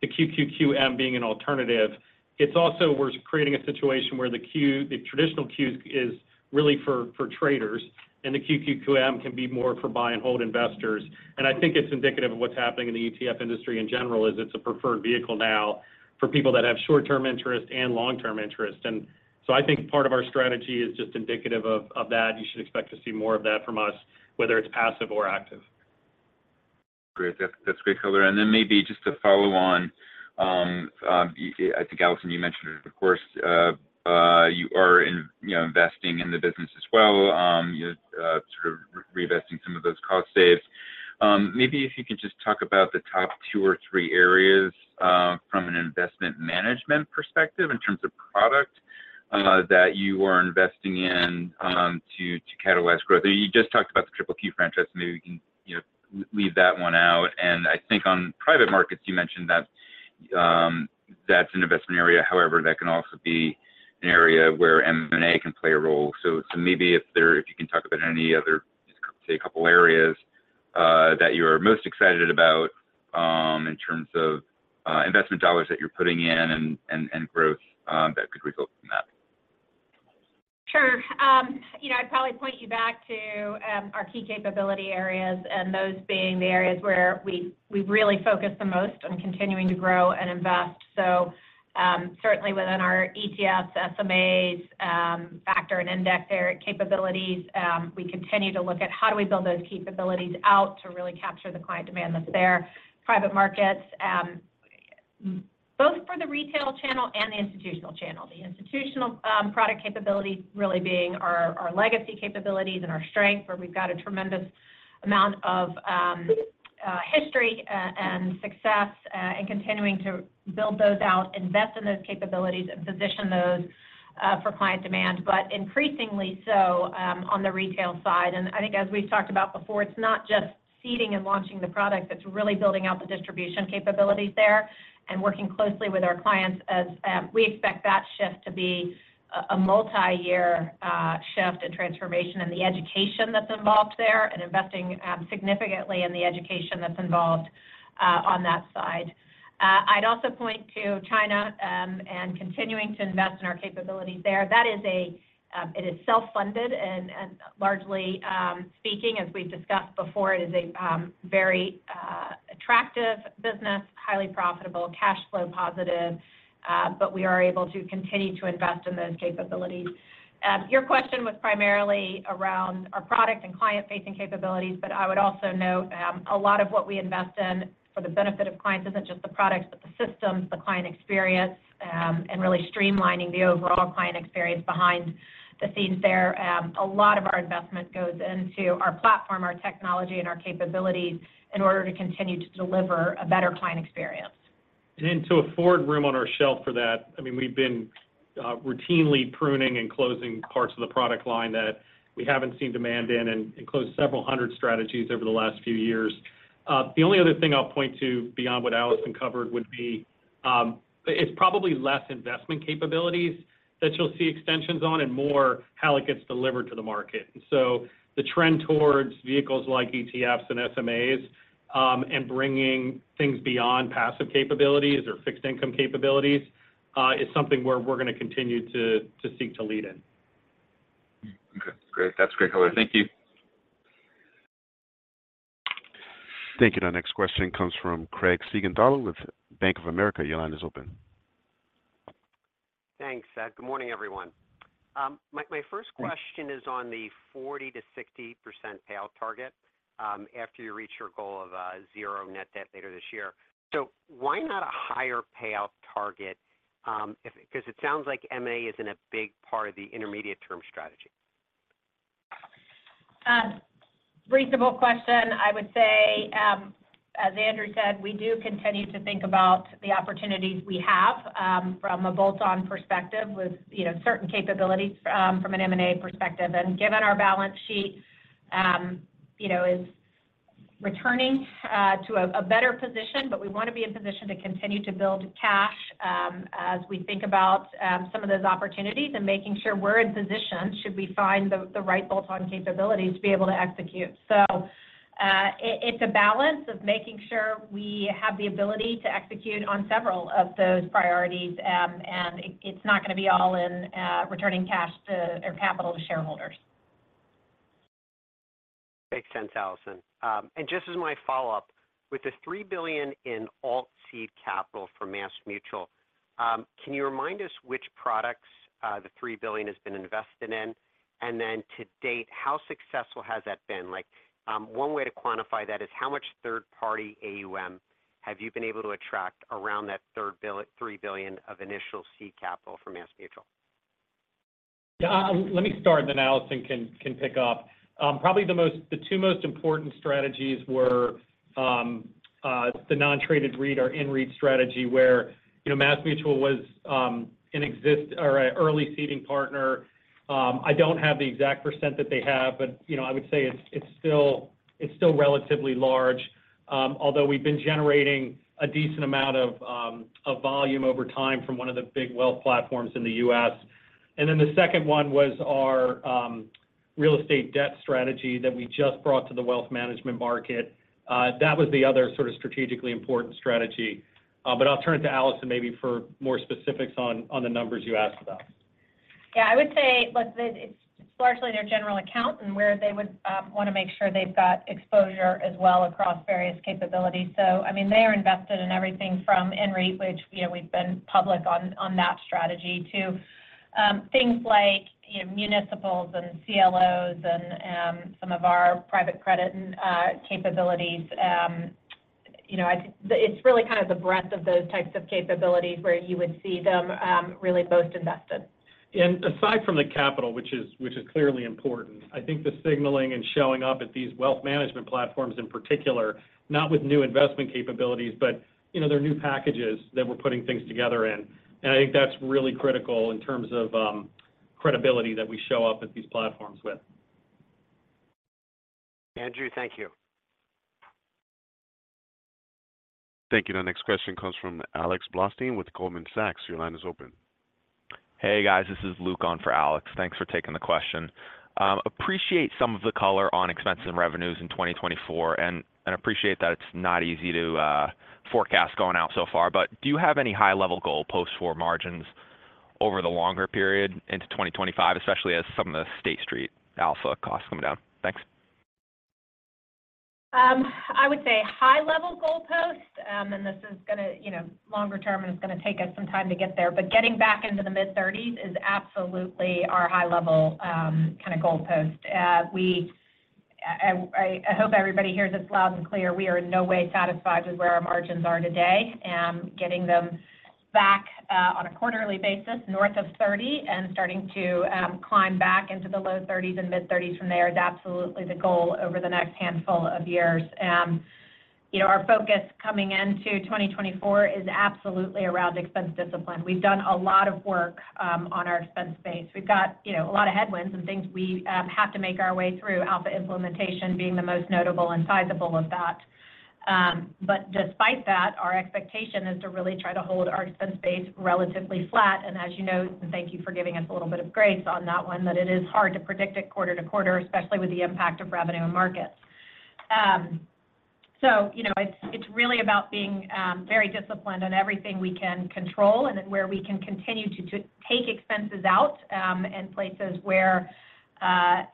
the QQQM being an alternative, it's also we're creating a situation where the Q, the traditional Qs is really for, for traders, and the QQQM can be more for buy and hold investors. And I think it's indicative of what's happening in the ETF industry in general, is it's a preferred vehicle now for people that have short-term interest and long-term interest. And so I think part of our strategy is just indicative of, of that. You should expect to see more of that from us, whether it's passive or active. Great. That, that's great color. And then maybe just to follow on, I think, Allison, you mentioned it, of course, you are in, you know, investing in the business as well, you're sort of re-investing some of those cost saves. Maybe if you could just talk about the top two or three areas, from an investment management perspective in terms of product, that you are investing in, to catalyze growth. You just talked about the QQQ franchise. Maybe we can, you know, leave that one out. And I think on private markets, you mentioned that, that's an investment area, however, that can also be an area where M&A can play a role. Maybe if you can talk about any other just a couple areas that you're most excited about in terms of investment dollars that you're putting in and growth that could result from that. Sure. You know, I'd probably point you back to our key capability areas, and those being the areas where we've really focused the most on continuing to grow and invest. So, certainly within our ETFs, SMAs, factor and index their capabilities, we continue to look at how do we build those capabilities out to really capture the client demand that's there. Private markets, both for the retail channel and the institutional channel. The institutional product capability really being our legacy capabilities and our strength, where we've got a tremendous amount of history and success in continuing to build those out, invest in those capabilities, and position those for client demand, but increasingly so on the retail side. And I think as we've talked about before, it's not just seeding and launching the product, it's really building out the distribution capabilities there and working closely with our clients as... We expect that shift to be a, a multi-year, shift and transformation in the education that's involved there, and investing, significantly in the education that's involved, on that side. I'd also point to China, and continuing to invest in our capabilities there. That is a, it is self-funded and, and largely, speaking, as we've discussed before, it is a, very, attractive business, highly profitable, cash flow positive, but we are able to continue to invest in those capabilities. Your question was primarily around our product and client-facing capabilities, but I would also note, a lot of what we invest in for the benefit of clients isn't just the products, but the systems, the client experience, and really streamlining the overall client experience behind the scenes there. A lot of our investment goes into our platform, our technology, and our capabilities in order to continue to deliver a better client experience. To afford room on our shelf for that, I mean, we've been routinely pruning and closing parts of the product line that we haven't seen demand in and closed several hundred strategies over the last few years. The only other thing I'll point to beyond what Allison covered would be, it's probably less investment capabilities that you'll see extensions on, and more how it gets delivered to the market. The trend towards vehicles like ETFs and SMAs, and bringing things beyond passive capabilities or fixed income capabilities, is something where we're going to continue to seek to lead in. Okay, great. That's great color. Thank you. Thank you. Our next question comes from Craig Siegenthaler with Bank of America. Your line is open. Thanks, good morning, everyone. My first question- Yeah... is on the 40%-60% payout target after you reach your goal of zero net debt later this year. So why not a higher payout target if because it sounds like M&A isn't a big part of the intermediate-term strategy? Reasonable question. I would say, as Andrew said, we do continue to think about the opportunities we have, from a bolt-on perspective with, you know, certain capabilities, from an M&A perspective. And given our balance sheet, you know, is returning to a better position, but we want to be in position to continue to build cash, as we think about some of those opportunities, and making sure we're in position, should we find the right bolt-on capabilities to be able to execute. So, it's a balance of making sure we have the ability to execute on several of those priorities, and it's not going to be all in returning cash to, or capital to shareholders. Makes sense, Allison. Just as my follow-up, with the $3 billion in alt seed capital for MassMutual, can you remind us which products, the $3 billion has been invested in? And, then to date, how successful has that been? Like, one way to quantify that is how much third-party AUM have you been able to attract around that $3 billion of initial seed capital from MassMutual? Yeah, let me start, and then Allison can pick up. Probably the two most important strategies were the non-traded REIT, our INREIT strategy, where, you know, MassMutual was an existing or an early seeding partner. I don't have the exact percent that they have, but, you know, I would say it's still relatively large, although we've been generating a decent amount of volume over time from one of the big wealth platforms in the U.S. And then the second one was our real estate debt strategy that we just brought to the wealth management market. That was the other sort of strategically important strategy. But I'll turn it to Allison, maybe for more specifics on the numbers you asked about. Yeah, I would say, look, it's largely their general account and where they would want to make sure they've got exposure as well across various capabilities. So I mean, they are invested in everything from INREIT, which, you know, we've been public on, on that strategy, to things like, you know, municipals and CLOs and some of our private credit and capabilities. You know, it's really kind of the breadth of those types of capabilities where you would see them really most invested. Aside from the capital, which is clearly important, I think the signaling and showing up at these wealth management platforms in particular, not with new investment capabilities, but, you know, they're new packages that we're putting things together in. I think that's really critical in terms of credibility that we show up at these platforms with. Andrew, thank you. Thank you. The next question comes from Alex Blostein with Goldman Sachs. Your line is open. Hey, guys, this is Luke on for Alex. Thanks for taking the question. Appreciate some of the color on expenses and revenues in 2024, and appreciate that it's not easy to forecast going out so far, but do you have any high-level goal post for margins over the longer period into 2025, especially as some of the State Street Alpha costs come down? Thanks. I would say high level goalpost, and this is going to, you know, longer term, and it's going to take us some time to get there, but getting back into the mid-30s% is absolutely our high level, kind of goalpost. We hope everybody hears this loud and clear. We are in no way satisfied with where our margins are today, getting them back, on a quarterly basis, north of 30% and starting to climb back into the low 30s% and mid-30s% from there is absolutely the goal over the next handful of years. You know, our focus coming into 2024 is absolutely around expense discipline. We've done a lot of work on our expense base. We've got, you know, a lot of headwinds and things we have to make our way through, Alpha implementation being the most notable and sizable of that. But despite that, our expectation is to really try to hold our expense base relatively flat. And as you know, thank you for giving us a little bit of grace on that one, that it is hard to predict it quarter to quarter, especially with the impact of revenue and markets. So, you know, it's really about being very disciplined on everything we can control and where we can continue to take expenses out in places where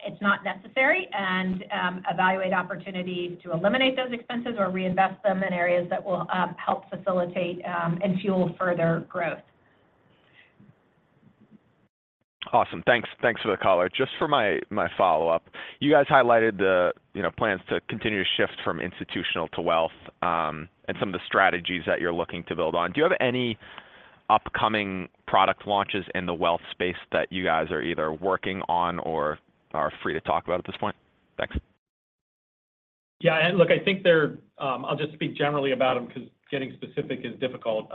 it's not necessary, and evaluate opportunities to eliminate those expenses or reinvest them in areas that will help facilitate and fuel further growth. Awesome. Thanks. Thanks for the color. Just for my follow-up, you guys highlighted the, you know, plans to continue to shift from institutional to wealth, and some of the strategies that you're looking to build on. Do you have any upcoming product launches in the wealth space that you guys are either working on or are free to talk about at this point? Thanks. Yeah, and look, I think they're, I'll just speak generally about them because getting specific is difficult.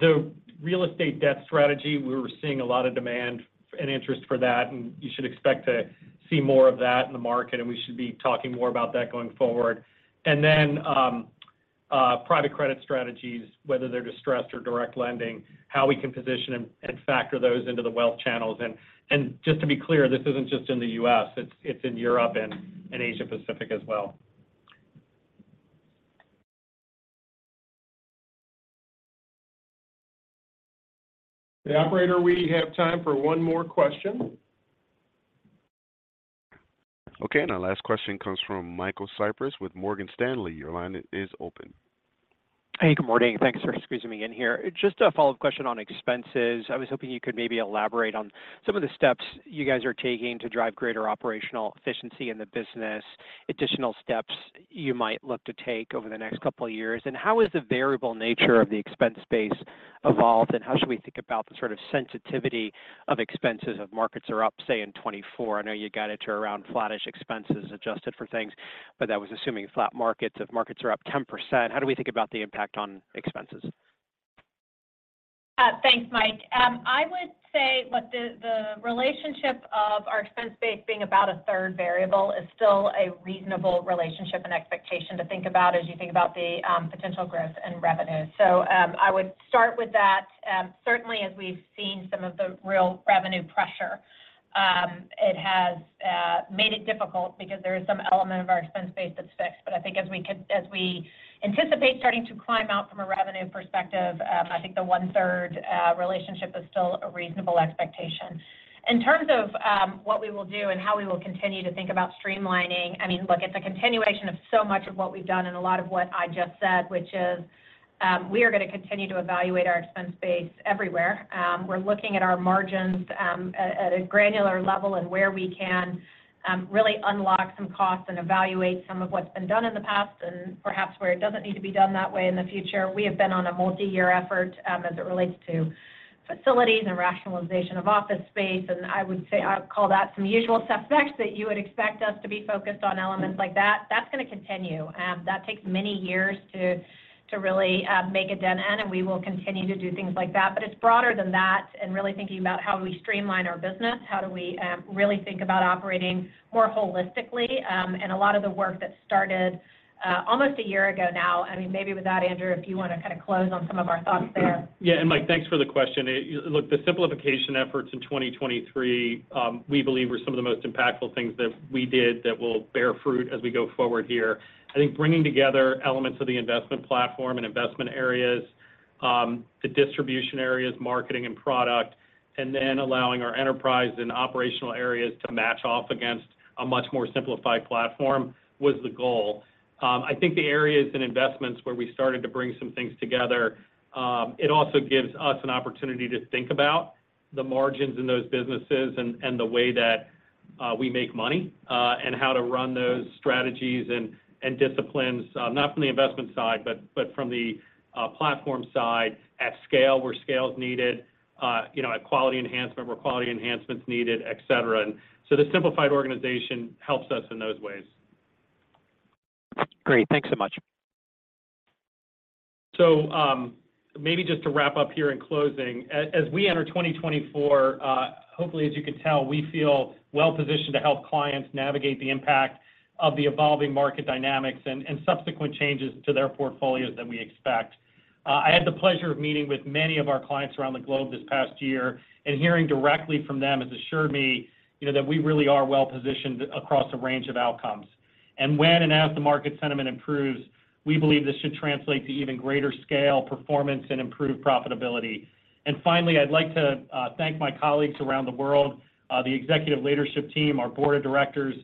The real estate debt strategy, we were seeing a lot of demand and interest for that, and you should expect to see more of that in the market, and we should be talking more about that going forward. And then, private credit strategies, whether they're distressed or direct lending, how we can position and factor those into the wealth channels. And just to be clear, this isn't just in the U.S., it's in Europe and in Asia Pacific as well. The operator, we have time for one more question. Okay, and our last question comes from Michael Cyprys with Morgan Stanley. Your line is open. Hey, good morning. Thanks for squeezing me in here. Just a follow-up question on expenses. I was hoping you could maybe elaborate on some of the steps you guys are taking to drive greater operational efficiency in the business, additional steps you might look to take over the next couple of years, and how has the variable nature of the expense base evolved, and how should we think about the sort of sensitivity of expenses if markets are up, say, in 2024? I know you guided to around flattish expenses adjusted for things, but that was assuming flat markets. If markets are up 10%, how do we think about the impact on expenses? Thanks, Mike. I would say what the relationship of our expense base being about a third variable is still a reasonable relationship and expectation to think about as you think about the potential growth in revenue. So, I would start with that. Certainly as we've seen some of the real revenue pressure, it has made it difficult because there is some element of our expense base that's fixed. But I think as we anticipate starting to climb out from a revenue perspective, I think the one-third relationship is still a reasonable expectation. In terms of what we will do and how we will continue to think about streamlining, I mean, look, it's a continuation of so much of what we've done and a lot of what I just said, which is, we are gonna continue to evaluate our expense base everywhere. We're looking at our margins at a granular level and where we can really unlock some costs and evaluate some of what's been done in the past, and perhaps where it doesn't need to be done that way in the future. We have been on a multi-year effort, as it relates to facilities and rationalization of office space, and I would say I'd call that some usual suspects that you would expect us to be focused on elements like that. That's gonna continue, that takes many years to really make a dent in, and we will continue to do things like that. But it's broader than that, and really thinking about how do we streamline our business? How do we really think about operating more holistically? And a lot of the work that started almost a year ago now. I mean, maybe with that, Andrew, if you wanna kind of close on some of our thoughts there. Yeah, and Mike, thanks for the question. Look, the simplification efforts in 2023, we believe were some of the most impactful things that we did that will bear fruit as we go forward here. I think bringing together elements of the investment platform and investment areas, the distribution areas, marketing and product, and then allowing our enterprise and operational areas to match off against a much more simplified platform was the goal. I think the areas and investments where we started to bring some things together, it also gives us an opportunity to think about the margins in those businesses and, and the way that, we make money. How to run those strategies and disciplines, not from the investment side, but from the platform side at scale, where scale is needed, you know, at quality enhancement, where quality enhancement is needed, et cetera. And so the simplified organization helps us in those ways. Great. Thanks so much. So, maybe just to wrap up here in closing. As we enter 2024, hopefully, as you can tell, we feel well positioned to help clients navigate the impact of the evolving market dynamics and subsequent changes to their portfolios that we expect. I had the pleasure of meeting with many of our clients around the globe this past year, and hearing directly from them has assured me, you know, that we really are well-positioned across a range of outcomes. And when and as the market sentiment improves, we believe this should translate to even greater scale, performance, and improved profitability. And finally, I'd like to thank my colleagues around the world, the executive leadership team, our board of directors,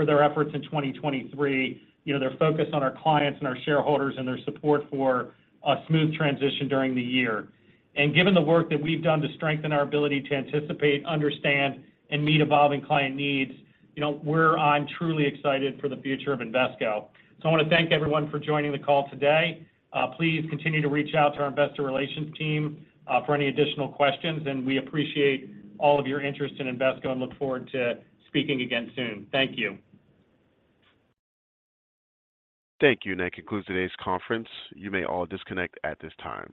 for their efforts in 2023. You know, their focus on our clients and our shareholders, and their support for a smooth transition during the year. And given the work that we've done to strengthen our ability to anticipate, understand, and meet evolving client needs, you know, I'm truly excited for the future of Invesco. So I want to thank everyone for joining the call today. Please continue to reach out to our investor relations team for any additional questions, and we appreciate all of your interest in Invesco and look forward to speaking again soon. Thank you. Thank you. And that concludes today's conference. You may all disconnect at this time.